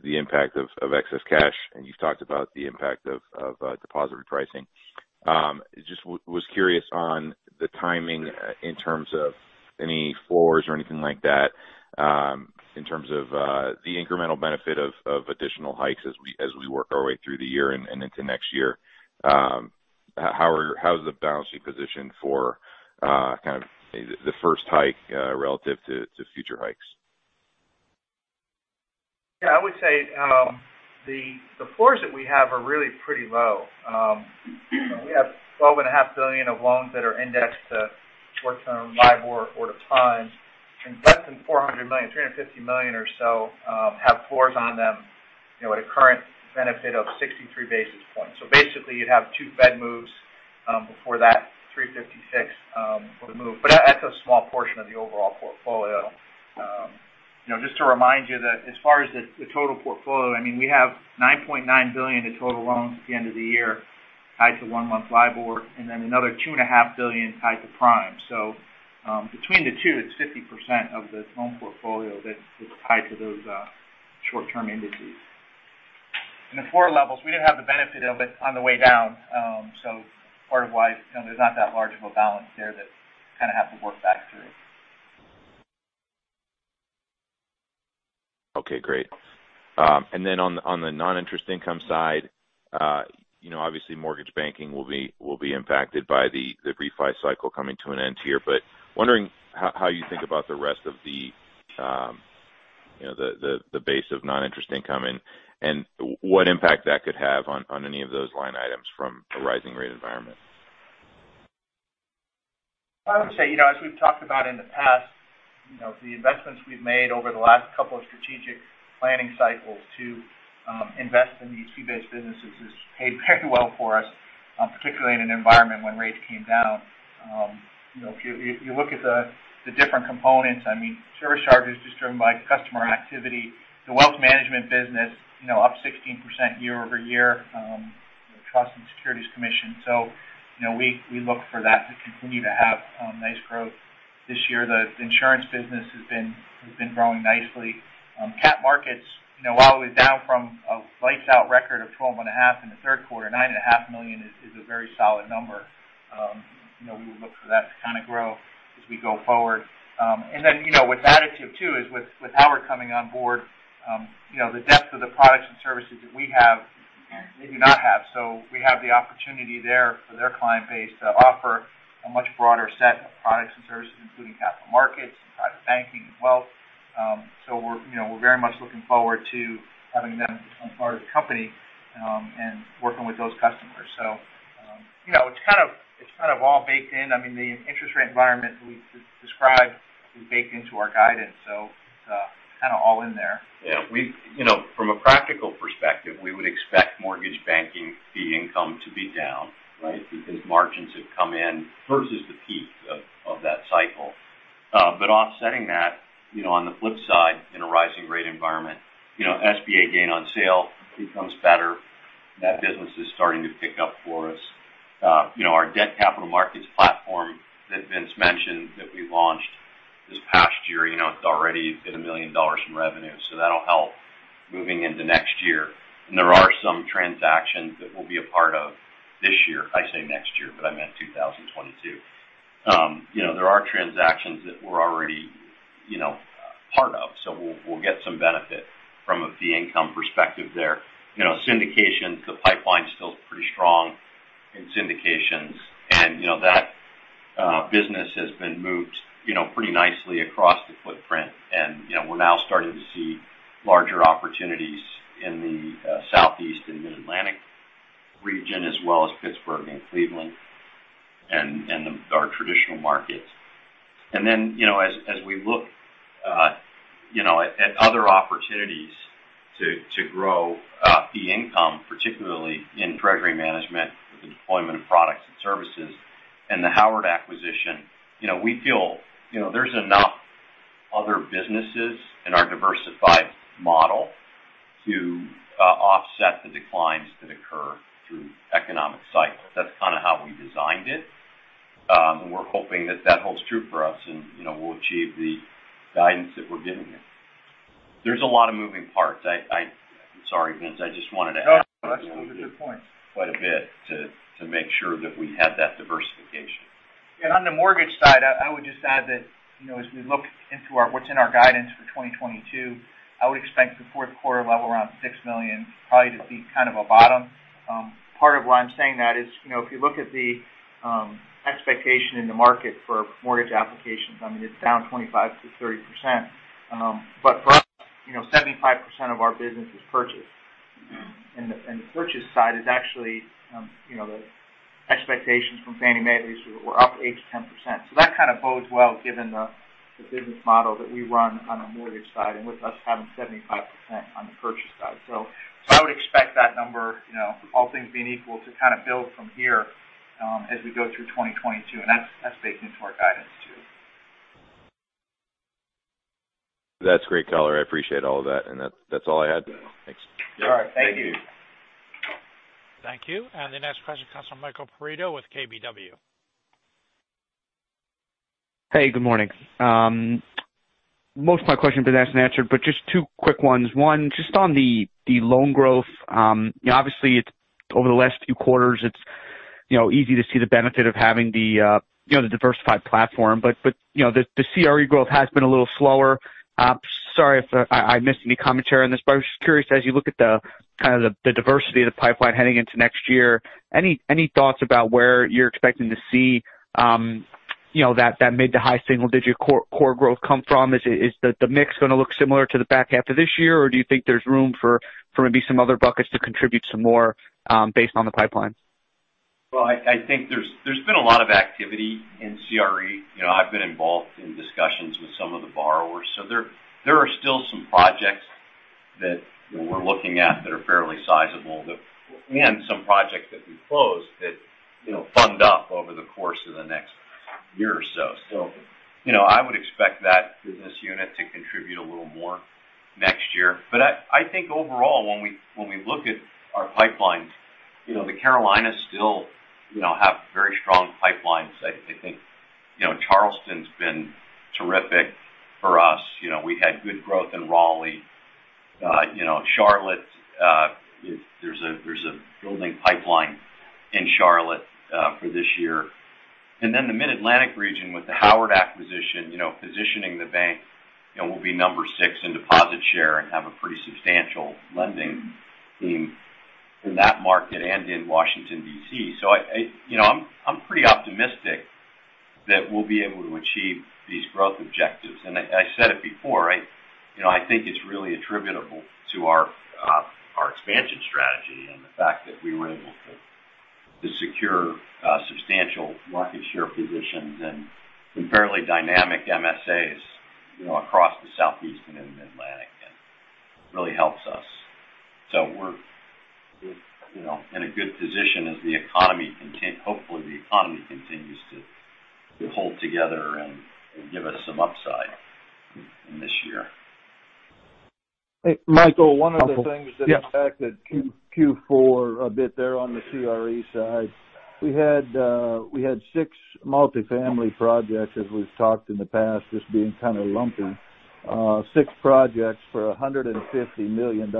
impact of excess cash, and you've talked about the impact of deposit repricing. Just was curious on the timing in terms of any fours or anything like that, in terms of the incremental benefit of additional hikes as we work our way through the year and into next year. How's the balance sheet positioned for kind of the first hike relative to future hikes? Yeah, I would say the floors that we have are really pretty low. We have $12.5 billion of loans that are indexed to short-term LIBOR or to Prime. Less than $400 million, $350 million or so, have floors on them, you know, at a current benefit of 63 basis points. Basically, you'd have two Fed moves before that $350 million would move. That's a small portion of the overall portfolio. You know, just to remind you that as far as the total portfolio, I mean, we have $9.9 billion in total loans at the end of the year tied to one-month LIBOR, and then another $2.5 billion tied to Prime. Between the two, it's 50% of this loan portfolio that's tied to those short-term indices. The floor levels, we didn't have the benefit of it on the way down. Part of why, you know, there's not that large of a balance there that kind of have to work back through. Okay, great. On the noninterest income side, you know, obviously mortgage banking will be impacted by the refi cycle coming to an end here. Wondering how you think about the rest of the, you know, the base of noninterest income and what impact that could have on any of those line items from a rising rate environment. I would say, you know, as we've talked about in the past, you know, the investments we've made over the last couple of strategic planning cycles to invest in these fee-based businesses has paid very well for us, particularly in an environment when rates came down. You know, if you look at the different components, I mean, service charges is driven by customer activity. The wealth management business, you know, up 16% year-over-year with trust and securities commissions. You know, we look for that to continue to have nice growth this year. The insurance business has been growing nicely. Capital markets, you know, while we're down from a lights-out record of $12.5 million in the Q3, $9.5 million is a very solid number. You know, we would look for that to kind of grow as we go forward. You know, with that issue too is with Howard coming on board, you know, the depth of the products and services that we have, they do not have. We have the opportunity there for their client base to offer a much broader set of products and services, including capital markets and private banking and wealth. We're, you know, very much looking forward to having them as part of the company and working with those customers. You know, it's kind of all baked in. I mean, the interest rate environment we've described is baked into our guidance, so it's kind of all in there. Yeah. We've you know, from a practical perspective, we would expect mortgage banking fee income to be down, right, because margins have come in versus the peak of that cycle. But offsetting that, you know, on the flip side, in a rising rate environment, you know, SBA gain on sale becomes better. That business is starting to pick up for us. You know, our debt capital markets platform that Vince mentioned that we launched this past year, you know, it's already at $1 million in revenue, so that'll help moving into next year. There are some transactions that we'll be a part of this year. I say next year, but I meant 2022. You know, there are transactions that we're already you know, part of, so we'll get some benefit from a fee income perspective there. You know, syndications, the pipeline is still pretty strong in syndications. You know, that business has been moved, you know, pretty nicely across the footprint. You know, we're now starting to see larger opportunities in the Southeast and Mid-Atlantic region, as well as Pittsburgh and Cleveland and our traditional markets. You know, as we look, you know, at other opportunities to grow fee income, particularly in treasury management with the deployment of products and services and the Howard acquisition, you know, we feel, you know, there's enough other businesses in our diversified model to offset the declines that occur through economic cycles. That's kind of how we designed it. We're hoping that that holds true for us and, you know, we'll achieve the guidance that we're giving you. There's a lot of moving parts. Sorry, Vince, I just wanted to add. No, that's a good point. Quite a bit to make sure that we have that diversification. On the mortgage side, I would just add that, you know, as we look into our what's in our guidance for 2022, I would expect the Q4 level around $6 million probably to be kind of a bottom. Part of why I'm saying that is, you know, if you look at the expectation in the market for mortgage applications, I mean, it's down 25%-30%. But for us, you know, 75% of our business is purchase. The purchase side is actually, you know, the expectations from Fannie Mae this year were up 8%-10%. That kind of bodes well given the business model that we run on the mortgage side and with us having 75% on the purchase side. I would expect that number, you know, all things being equal, to kind of build from here, as we go through 2022, and that's baked into our guidance too. That's great, color. I appreciate all of that. That's all I had. Thanks. All right. Thank you. Thank you. Thank you. The next question comes from Michael Perito with KBW. Hey, good morning. Most of my question has been asked and answered, but just two quick ones. One, just on the loan growth. You know, obviously it's over the last few quarters, it's you know easy to see the benefit of having the you know the diversified platform. But you know the CRE growth has been a little slower. Sorry if I missed any commentary on this, but I was just curious, as you look at the diversity of the pipeline heading into next year, any thoughts about where you're expecting to see you know that mid to high single digit core growth come from? Is it the mix gonna look similar to the back half of this year? Do you think there's room for maybe some other buckets to contribute some more, based on the pipeline? Well, I think there's been a lot of activity in CRE. You know, I've been involved in discussions with some of the borrowers. There are still some projects that, you know, we're looking at that are fairly sizable. Some projects that we closed that, you know, fund up over the course of the next year or so. You know, I would expect that business unit to contribute a little more next year. I think overall when we look at our pipelines, you know, the Carolinas still have very strong pipelines. I think, you know, Charleston's been terrific for us. You know, we had good growth in Raleigh. You know, Charlotte is there's a building pipeline in Charlotte for this year. Then the Mid-Atlantic region with the Howard acquisition, you know, positioning the bank, you know, we'll be number 6 in deposit share and have a pretty substantial lending team in that market and in Washington, D.C. So, you know, I'm pretty optimistic that we'll be able to achieve these growth objectives. I said it before, you know, I think it's really attributable to our expansion strategy and the fact that we were able to secure substantial market share positions in fairly dynamic MSAs, you know, across the Southeast and in the Mid-Atlantic, and really helps us. So we're, you know, in a good position as hopefully, the economy continues to hold together and give us some upside in this year. Hey, Michael, one of the things that impacted. Yes. In Q4, a bit there on the CRE side, we had six multifamily projects, as we've talked in the past, just being kind of lumpy. Six projects for $150 million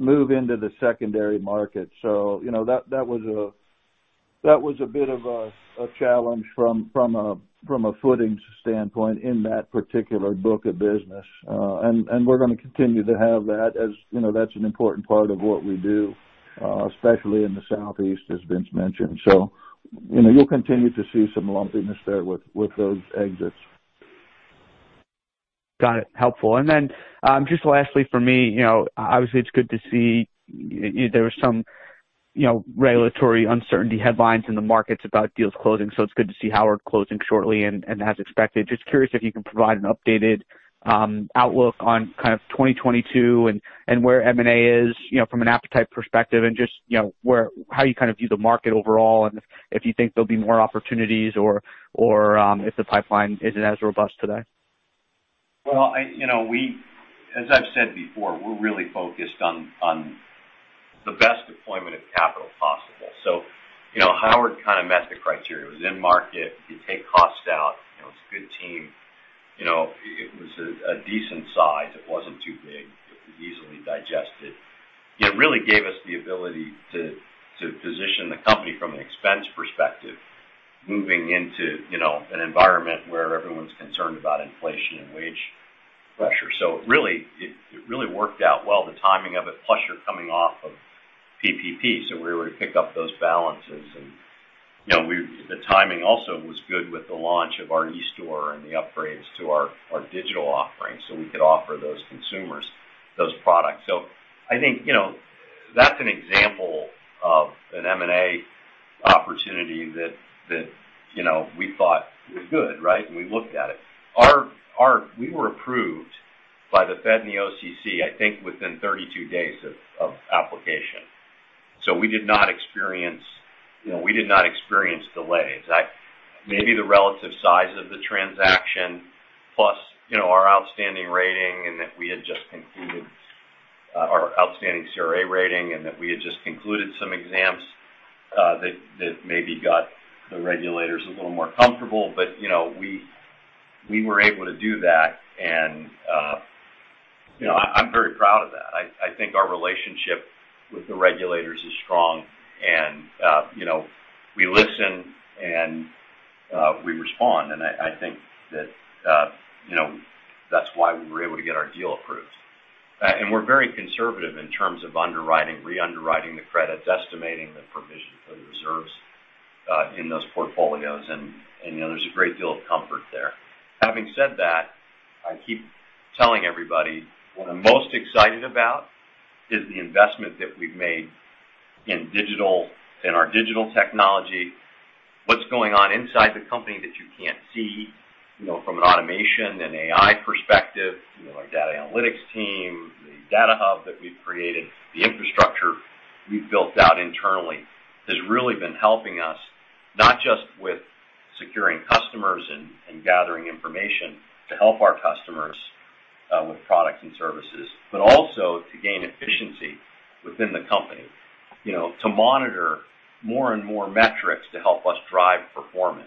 move into the secondary market. You know, that was a bit of a challenge from a footings standpoint in that particular book of business. We're gonna continue to have that, as you know. That's an important part of what we do, especially in the Southeast, as Vince mentioned. You know, you'll continue to see some lumpiness there with those exits. Got it. Helpful. Just lastly for me, you know, obviously it's good to see there was some, you know, regulatory uncertainty headlines in the markets about deals closing. It's good to see Howard closing shortly and as expected. Just curious if you can provide an updated outlook on kind of 2022 and where M&A is, you know, from an appetite perspective and just, you know, where, how you kind of view the market overall, and if you think there'll be more opportunities or if the pipeline isn't as robust today. As I've said before, we're really focused on the best deployment of capital possible. You know, Howard kind of met the criteria. It was in market. You take costs out, you know, it's a good team. You know, it was a decent size. It wasn't too big. It was easily digested. It really gave us the ability to position the company from an expense perspective, moving into, you know, an environment where everyone's concerned about inflation and wage pressure. It really worked out well, the timing of it, plus we're coming off of PPP. We were able to pick up those balances. You know, the timing also was good with the launch of our eStore and the upgrades to our digital offerings, so we could offer those consumers those products. I think, you know, that's an example of an M&A opportunity that, you know, we thought was good, right, when we looked at it. We were approved by the Fed and the OCC, I think, within 32 days of application. We did not experience, you know, we did not experience delays. Maybe the relative size of the transaction plus, you know, our outstanding rating, and that we had just concluded our outstanding CRA rating and that we had just concluded some exams that maybe got the regulators a little more comfortable. You know, we were able to do that and, you know, I'm very proud of that. I think our relationship with the regulators is strong and, you know, we listen and we respond. I think that, you know, that's why we were able to get our deal approved. We're very conservative in terms of underwriting, re-underwriting the credits, estimating the provision for the reserves, in those portfolios. You know, there's a great deal of comfort there. Having said that, I keep telling everybody what I'm most excited about is the investment that we've made in our digital technology, what's going on inside the company that you can't see, you know, from an automation and AI perspective. You know, our data analytics team, the data hub that we've created. The infrastructure we've built out internally has really been helping us, not just with securing customers and gathering information to help our customers with products and services, but also to gain efficiency within the company, you know, to monitor more and more metrics to help us drive performance.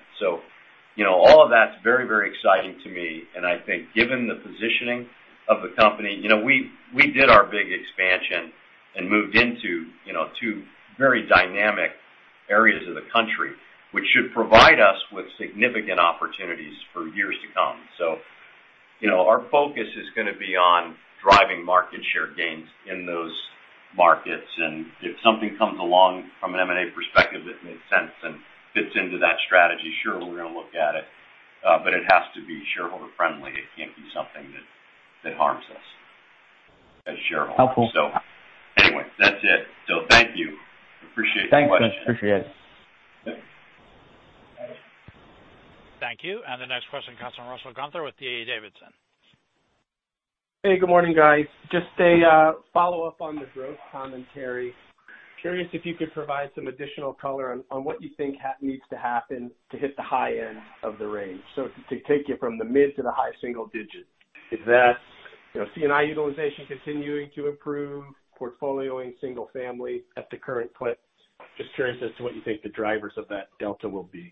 You know, all of that's very, very exciting to me. I think given the positioning of the company, you know, we did our big expansion and moved into, you know, two very dynamic areas of the country, which should provide us with significant opportunities for years to come. You know, our focus is gonna be on driving market share gains in those markets. If something comes along from an M&A perspective that makes sense and fits into that strategy, sure, we're gonna look at it. It has to be shareholder friendly. It can't be something that harms us as shareholders. Helpful. Anyway, that's it. Thank you. Appreciate the question. Thanks, Vince. I appreciate it. Yep. Thank you. The next question comes from Russell Gunther with D.A. Davidson. Hey, good morning, guys. Just a follow-up on the growth commentary. Curious if you could provide some additional color on what you think needs to happen to hit the high end of the range. To take you from the mid- to high-single digits. Is that, you know, C&I utilization continuing to improve, portfolio in single family at the current clip? Just curious as to what you think the drivers of that delta will be.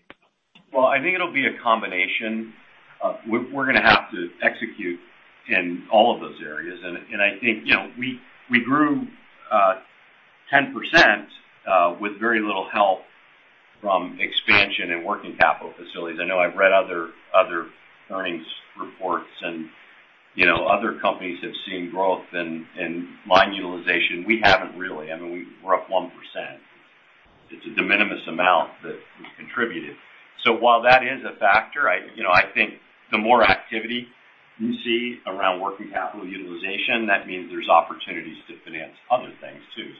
Well, I think it'll be a combination. We're gonna have to execute in all of those areas. I think, you know, we grew 10% with very little help from expansion and working capital facilities. I know I've read other earnings reports and, you know, other companies have seen growth in line utilization. We haven't really. I mean, we're up 1%. It's a de minimis amount that we've contributed. While that is a factor, I, you know, I think the more activity you see around working capital utilization, that means there's opportunities to finance other things too.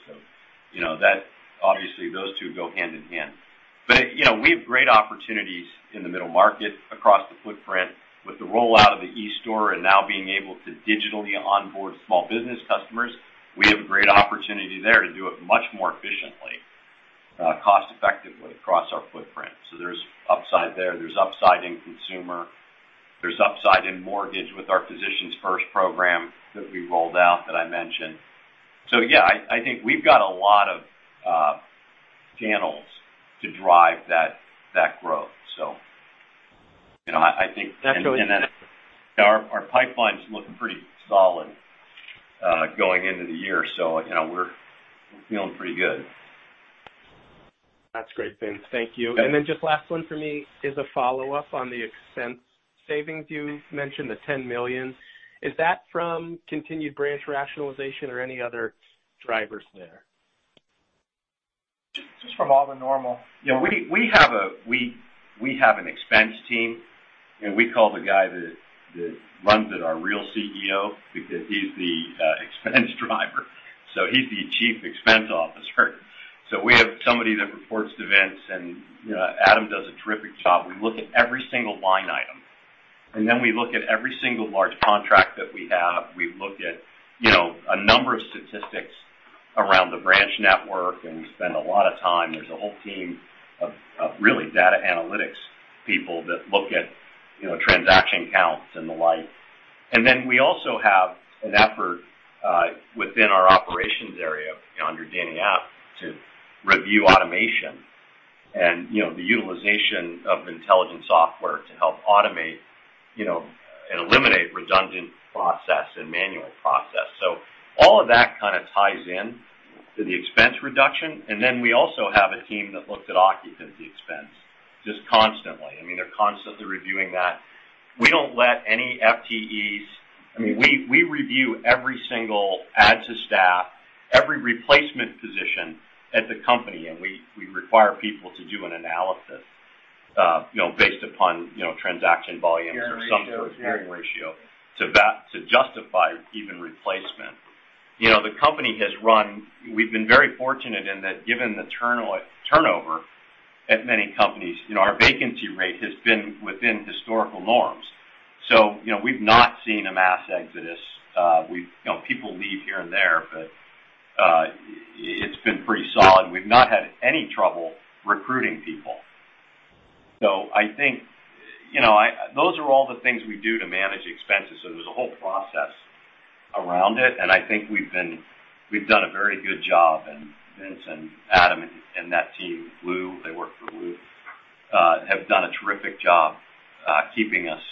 You know, that, obviously, those two go hand in hand. You know, we have great opportunities in the middle market across the footprint with the rollout of the eStore and now being able to digitally onboard small business customers. We have a great opportunity there to do it much more efficiently, cost effectively across our footprint. There's upside there. There's upside in consumer. There's upside in mortgage with our Physicians First program that we rolled out that I mentioned. Yeah, I think we've got a lot of channels to drive that growth. You know, I think Definitely. Then, you know, our pipelines look pretty solid going into the year. You know, we're feeling pretty good. That's great, Vince. Thank you. Yeah. Just last one for me is a follow-up on the expense savings. You mentioned the $10 million. Is that from continued branch rationalization or any other drivers there? Just from all the normal. You know, we have an expense team, and we call the guy that runs it our real CEO because he's the expense driver. So he's the chief expense officer. So we have somebody that reports to Vince, and you know, Adam does a terrific job. We look at every single line item, and then we look at every single large contract that we have. We look at, you know, a number of statistics around the branch network, and we spend a lot of time. There's a whole team of really data analytics people that look at, you know, transaction counts and the like. We also have an effort within our operations area under Danny App to review automation and, you know, the utilization of intelligent software to help automate and eliminate redundant process and manual process. All of that kind of ties in to the expense reduction. We also have a team that looks at occupancy expense just constantly. I mean, they're constantly reviewing that. We don't let any FTEs. I mean, we review every single add to staff, every replacement position at the company, and we require people to do an analysis, you know, based upon transaction volumes or some sort of gearing ratio to justify even replacement. You know, we've been very fortunate in that, given the turnover at many companies, you know, our vacancy rate has been within historical norms. You know, we've not seen a mass exodus. You know, people leave here and there, but it's been pretty solid. We've not had any trouble recruiting people. I think, you know, those are all the things we do to manage expenses, so there's a whole process around it, and I think we've done a very good job. Vince and Adam and that team, Lou, they work for Lou, have done a terrific job keeping us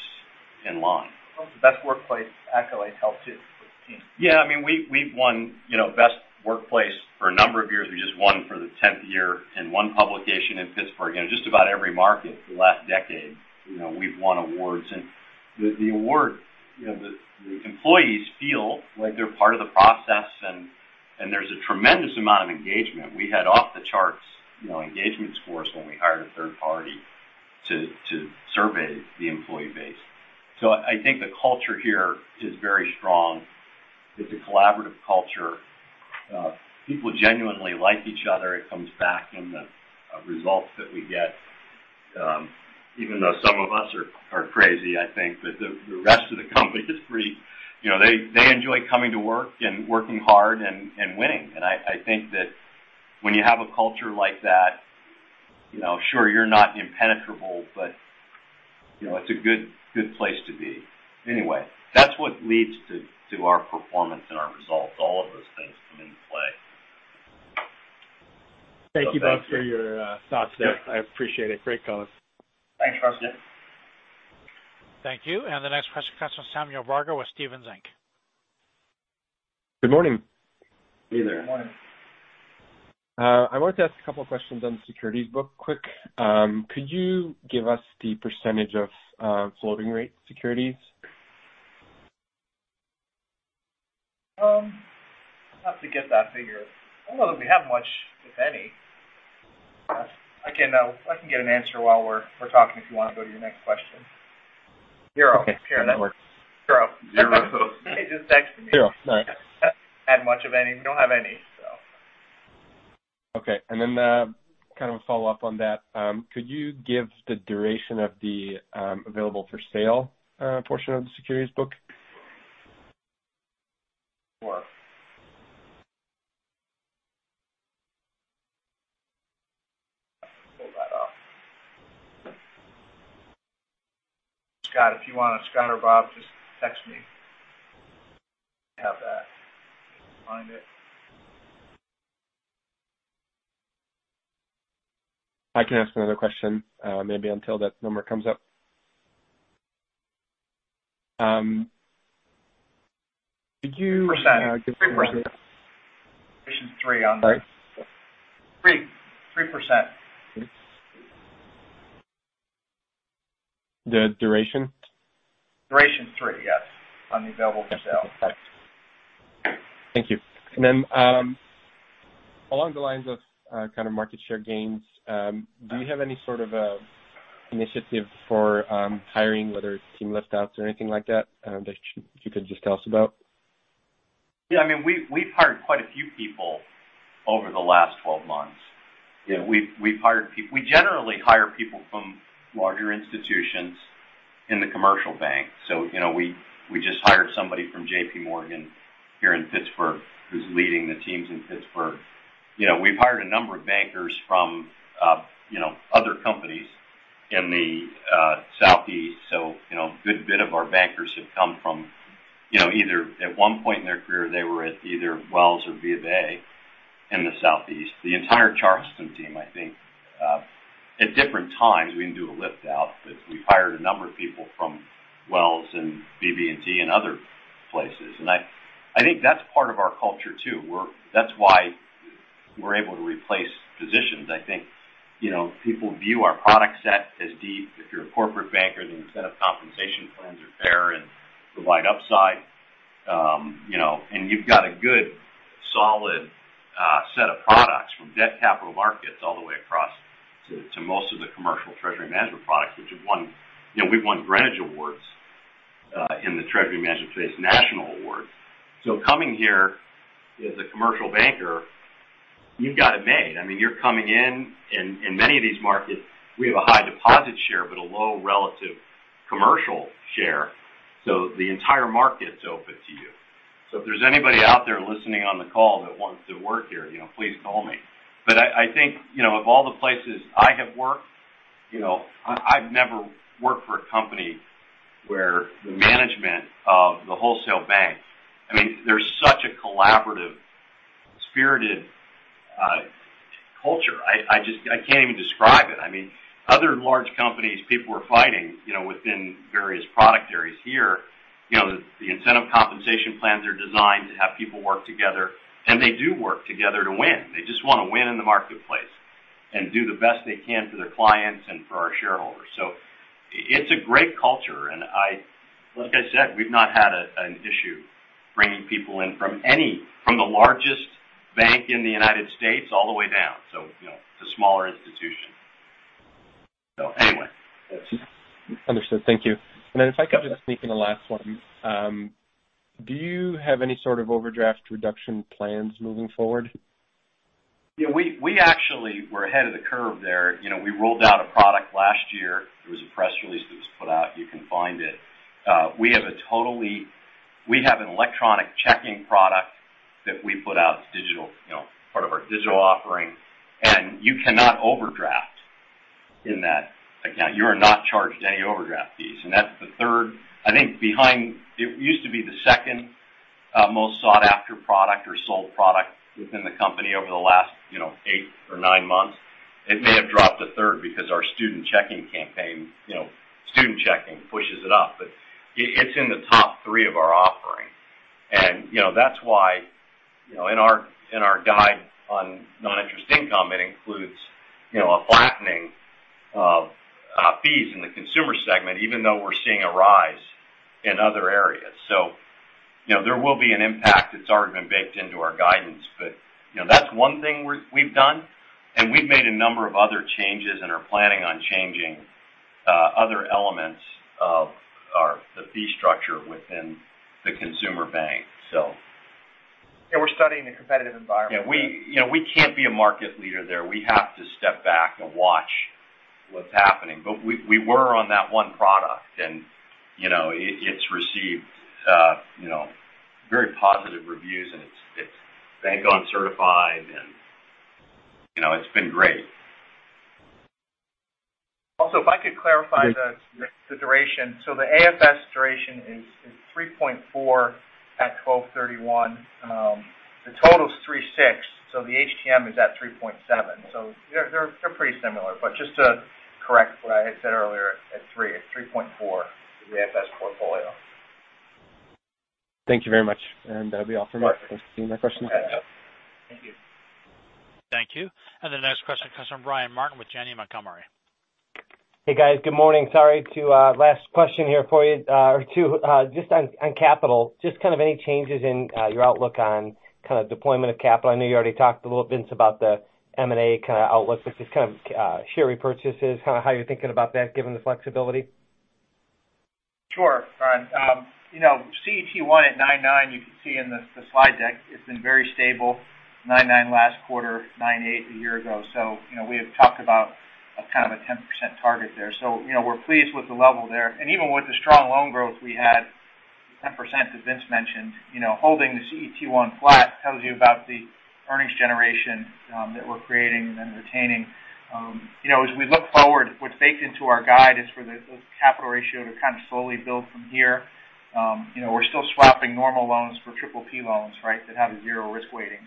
in line. Well, the Best Workplace accolade helps you with the team. Yeah, I mean, we've won, you know, Best Workplace for a number of years. We just won for the tenth year in one publication in Pittsburgh. Just about every market for the last decade, you know, we've won awards. The award, you know, the employees feel like they're part of the process and there's a tremendous amount of engagement. We had off the charts, you know, engagement scores when we hired a third party to survey the employee base. I think the culture here is very strong. It's a collaborative culture. People genuinely like each other. It comes back in the results that we get. Even though some of us are crazy, I think. The rest of the company is pretty. You know, they enjoy coming to work and working hard and winning. I think that when you have a culture like that, you know, sure, you're not impenetrable, but, you know, it's a good place to be. Anyway, that's what leads to our performance and our results. All of those things come into play. Thank you both for your thoughts there. I appreciate it. Great comments. Thanks, Russell. Thank you. The next question comes from Samuel Varga with Stephens Inc. Good morning. Hey there. Good morning. I wanted to ask a couple questions on the securities book quick. Could you give us the percentage of floating rate securities? I'll have to get that figure. I don't know that we have much, if any. I can get an answer while we're talking, if you wanna go to your next question. Zero. Okay. Zero. Zero. He just texted me. Zero. All right. We don't have any. Okay. Kind of a follow-up on that. Could you give the duration of the available for sale portion of the securities book? Sure. Pull that off. Scott, if you want to. Scott or Bob, just text me. Have that. Find it. I can ask another question, maybe until that number comes up. Could you, 3%. Duration 3 on- Sorry. 3%. The duration? Duration 3, yes, on the available for sale. Thank you. Along the lines of kind of market share gains, do you have any sort of a initiative for hiring, whether it's team lift outs or anything like that you could just tell us about? Yeah, I mean, we've hired quite a few people over the last 12 months. Yeah. We've hired people. We generally hire people from larger institutions in the commercial bank. We just hired somebody from J.P. Morgan here in Pittsburgh, who's leading the teams in Pittsburgh. We've hired a number of bankers from other companies in the southeast. A good bit of our bankers have come from either at one point in their career, they were at either Wells or B of A in the southeast. The entire Charleston team, I think, at different times, we didn't do a lift out, but we hired a number of people from Wells and BB&T and other places. I think that's part of our culture, too. That's why we're able to replace positions. I think people view our product set as deep. If you're a corporate banker, the incentive compensation plans are fair and provide upside. You know, you've got a good, solid set of products from debt capital markets all the way across to most of the commercial treasury management products, which have won. You know, we've won Greenwich Awards in the treasury management space, national awards. Coming here as a commercial banker, you've got it made. I mean, you're coming in many of these markets, we have a high deposit share but a low relative commercial share, so the entire market's open to you. If there's anybody out there listening on the call that wants to work here, you know, please call me. I think, you know, of all the places I have worked, you know, I've never worked for a company where the management of the wholesale bank. I mean, there's such a collaborative, spirited culture. I just can't even describe it. I mean, other large companies, people are fighting, you know, within various product areas. Here, you know, the incentive compensation plans are designed to have people work together, and they do work together to win. They just wanna win in the marketplace and do the best they can for their clients and for our shareholders. It's a great culture, and I like I said, we've not had an issue bringing people in from the largest bank in the United States all the way down, you know, the smaller institutions. Anyway. Understood. Thank you. If I could just sneak in a last one. Do you have any sort of overdraft reduction plans moving forward? Yeah. We actually were ahead of the curve there. You know, we rolled out a product last year. There was a press release that was put out. You can find it. We have an electronic checking product that we put out. It's digital, you know, part of our digital offering. You cannot overdraft in that account. You are not charged any overdraft fees. That's the third, I think, behind. It used to be the second most sought-after product or sold product within the company over the last, you know, eight or nine months. It may have dropped to third because our student checking campaign, you know, student checking pushes it up. It's in the top three of our offerings. You know, that's why, you know, in our guidance on non-interest income, it includes, you know, a flattening of fees in the consumer segment, even though we're seeing a rise in other areas. You know, there will be an impact. It's already been baked into our guidance. You know, that's one thing we've done, and we've made a number of other changes and are planning on changing other elements of the fee structure within the consumer bank, so. Yeah, we're studying a competitive environment. Yeah. You know, we can't be a market leader there. We have to step back and watch what's happening. We were on that one product, and you know it's received very positive reviews, and it's bank-owned certified, and you know it's been great. Also, if I could clarify the duration. So the AFS duration is 3.4 at 12/31. The total is 3.6, so the HTM is at 3.7. So they're pretty similar. But just to correct what I had said earlier at 3, it's 3.4 for the AFS portfolio. Thank you very much. That'll be all for me. Those are my questions. Thank you. Thank you. Thank you. The next question comes from Brian Martin with Janney Montgomery. Hey, guys. Good morning. Sorry. Last question here for you. Two. Just on capital. Just kind of any changes in your outlook on kind of deployment of capital. I know you already talked a little bit, Vince, about the M&A kind of outlook, but just kind of share repurchases, kind of how you're thinking about that given the flexibility. Sure. All right. You know, CET1 at 9.9%, you can see in the slide deck, it's been very stable, 9.9% last quarter, 9.8% a year ago. You know, we have talked about a kind of a 10% target there. You know, we're pleased with the level there. Even with the strong loan growth we had, 10%, as Vince mentioned, you know, holding the CET1 flat tells you about the earnings generation that we're creating and retaining. You know, as we look forward, what's baked into our guide is for the capital ratio to kind of slowly build from here. You know, we're still swapping normal loans for PPP loans, right? That have a 0 risk weighting.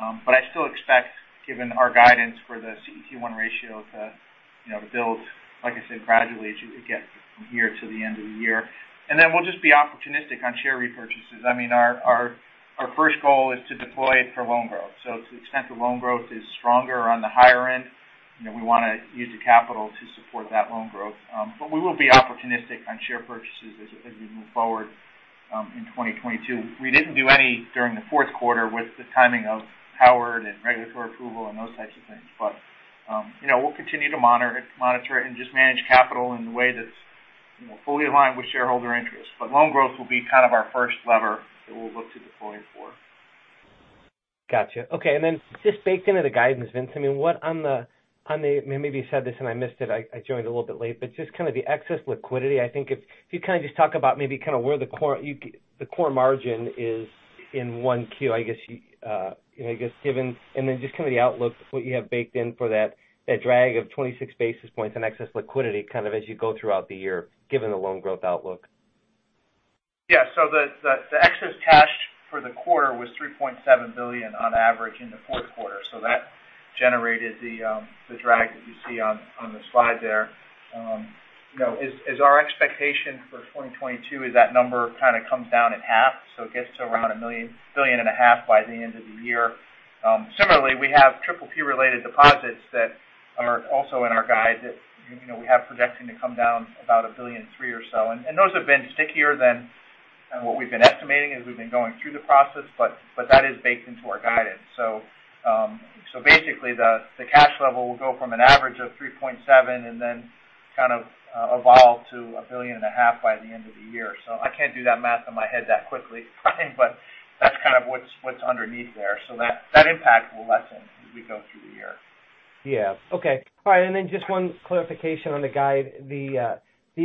I still expect, given our guidance for the CET1 ratio to, you know, to build, like I said, gradually as you get from here to the end of the year. We'll just be opportunistic on share repurchases. I mean, our first goal is to deploy it for loan growth. To the extent the loan growth is stronger on the higher end, you know, we wanna use the capital to support that loan growth. We will be opportunistic on share purchases as we move forward in 2022. We didn't do any during the Q4 with the timing of Howard and regulatory approval and those types of things. We'll continue to monitor it and just manage capital in a way that's, you know, fully aligned with shareholder interest. Loan growth will be kind of our first lever that we'll look to deploying for. Gotcha. Okay. Then just baked into the guidance, Vince, I mean, what on the. Maybe you said this and I missed it. I joined a little bit late. Just kind of the excess liquidity, I think if you kind of just talk about maybe kind of where the core margin is in 1Q, I guess, I guess given. Then just kind of the outlook for what you have baked in for that drag of 26 basis points on excess liquidity, kind of as you go throughout the year, given the loan growth outlook. Yeah. The excess cash for the quarter was $3.7 billion on average in the Q4. That generated the drag that you see on the slide there. You know, as our expectation for 2022 is that number kind of comes down at half, so it gets to around $1.5 billion by the end of the year. Similarly, we have PPP related deposits that are also in our guide that you know we have projecting to come down about $1.3 billion or so. Those have been stickier than what we've been estimating as we've been going through the process, but that is baked into our guidance. Basically, the cash level will go from an average of $3.7 billion and then kind of evolve to $1.5 billion by the end of the year. I can't do that math in my head that quickly, but that's kind of what's underneath there. That impact will lessen as we go through the year. Yeah. Okay. All right. Then just one clarification on the guide. The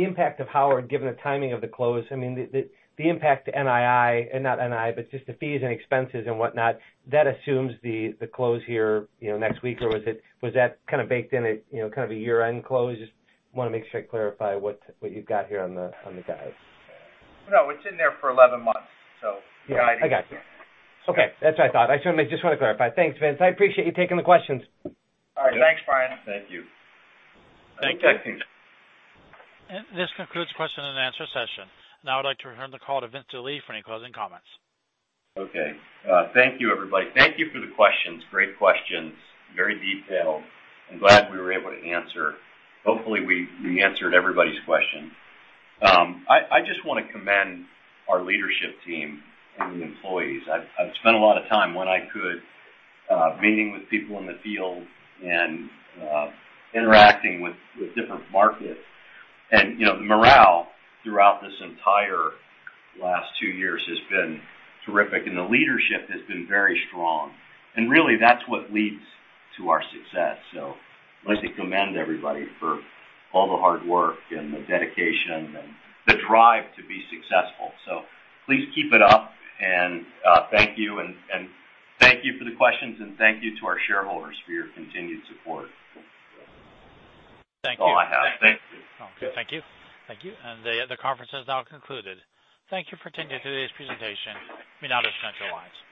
impact of Howard, given the timing of the close, I mean, the impact to NII, and not NII, but just the fees and expenses and whatnot, that assumes the close here, you know, next week, or was that kind of baked in at, you know, kind of a year-end close? Just wanna make sure I clarify what you've got here on the guide. No, it's in there for 11 months, so the guidance. I got you. Okay. That's what I thought. I just wanted to clarify. Thanks, Vince. I appreciate you taking the questions. All right. Thanks, Brian. Thank you. Thank you. This concludes the question and answer session. Now I'd like to return the call to Vince Delie for any closing comments. Okay. Thank you, everybody. Thank you for the questions. Great questions. Very detailed. I'm glad we were able to answer. Hopefully, we answered everybody's question. I just wanna commend our leadership team and the employees. I've spent a lot of time when I could, meeting with people in the field and, interacting with different markets. You know, the morale throughout this entire last two years has been terrific, and the leadership has been very strong. Really that's what leads to our success. I'd like to commend everybody for all the hard work and the dedication and the drive to be successful. Please keep it up, and thank you. Thank you for the questions, and thank you to our shareholders for your continued support. Thank you. That's all I have. Thank you. Okay. Thank you. The conference is now concluded. Thank you for attending today's presentation. You may now disconnect your lines.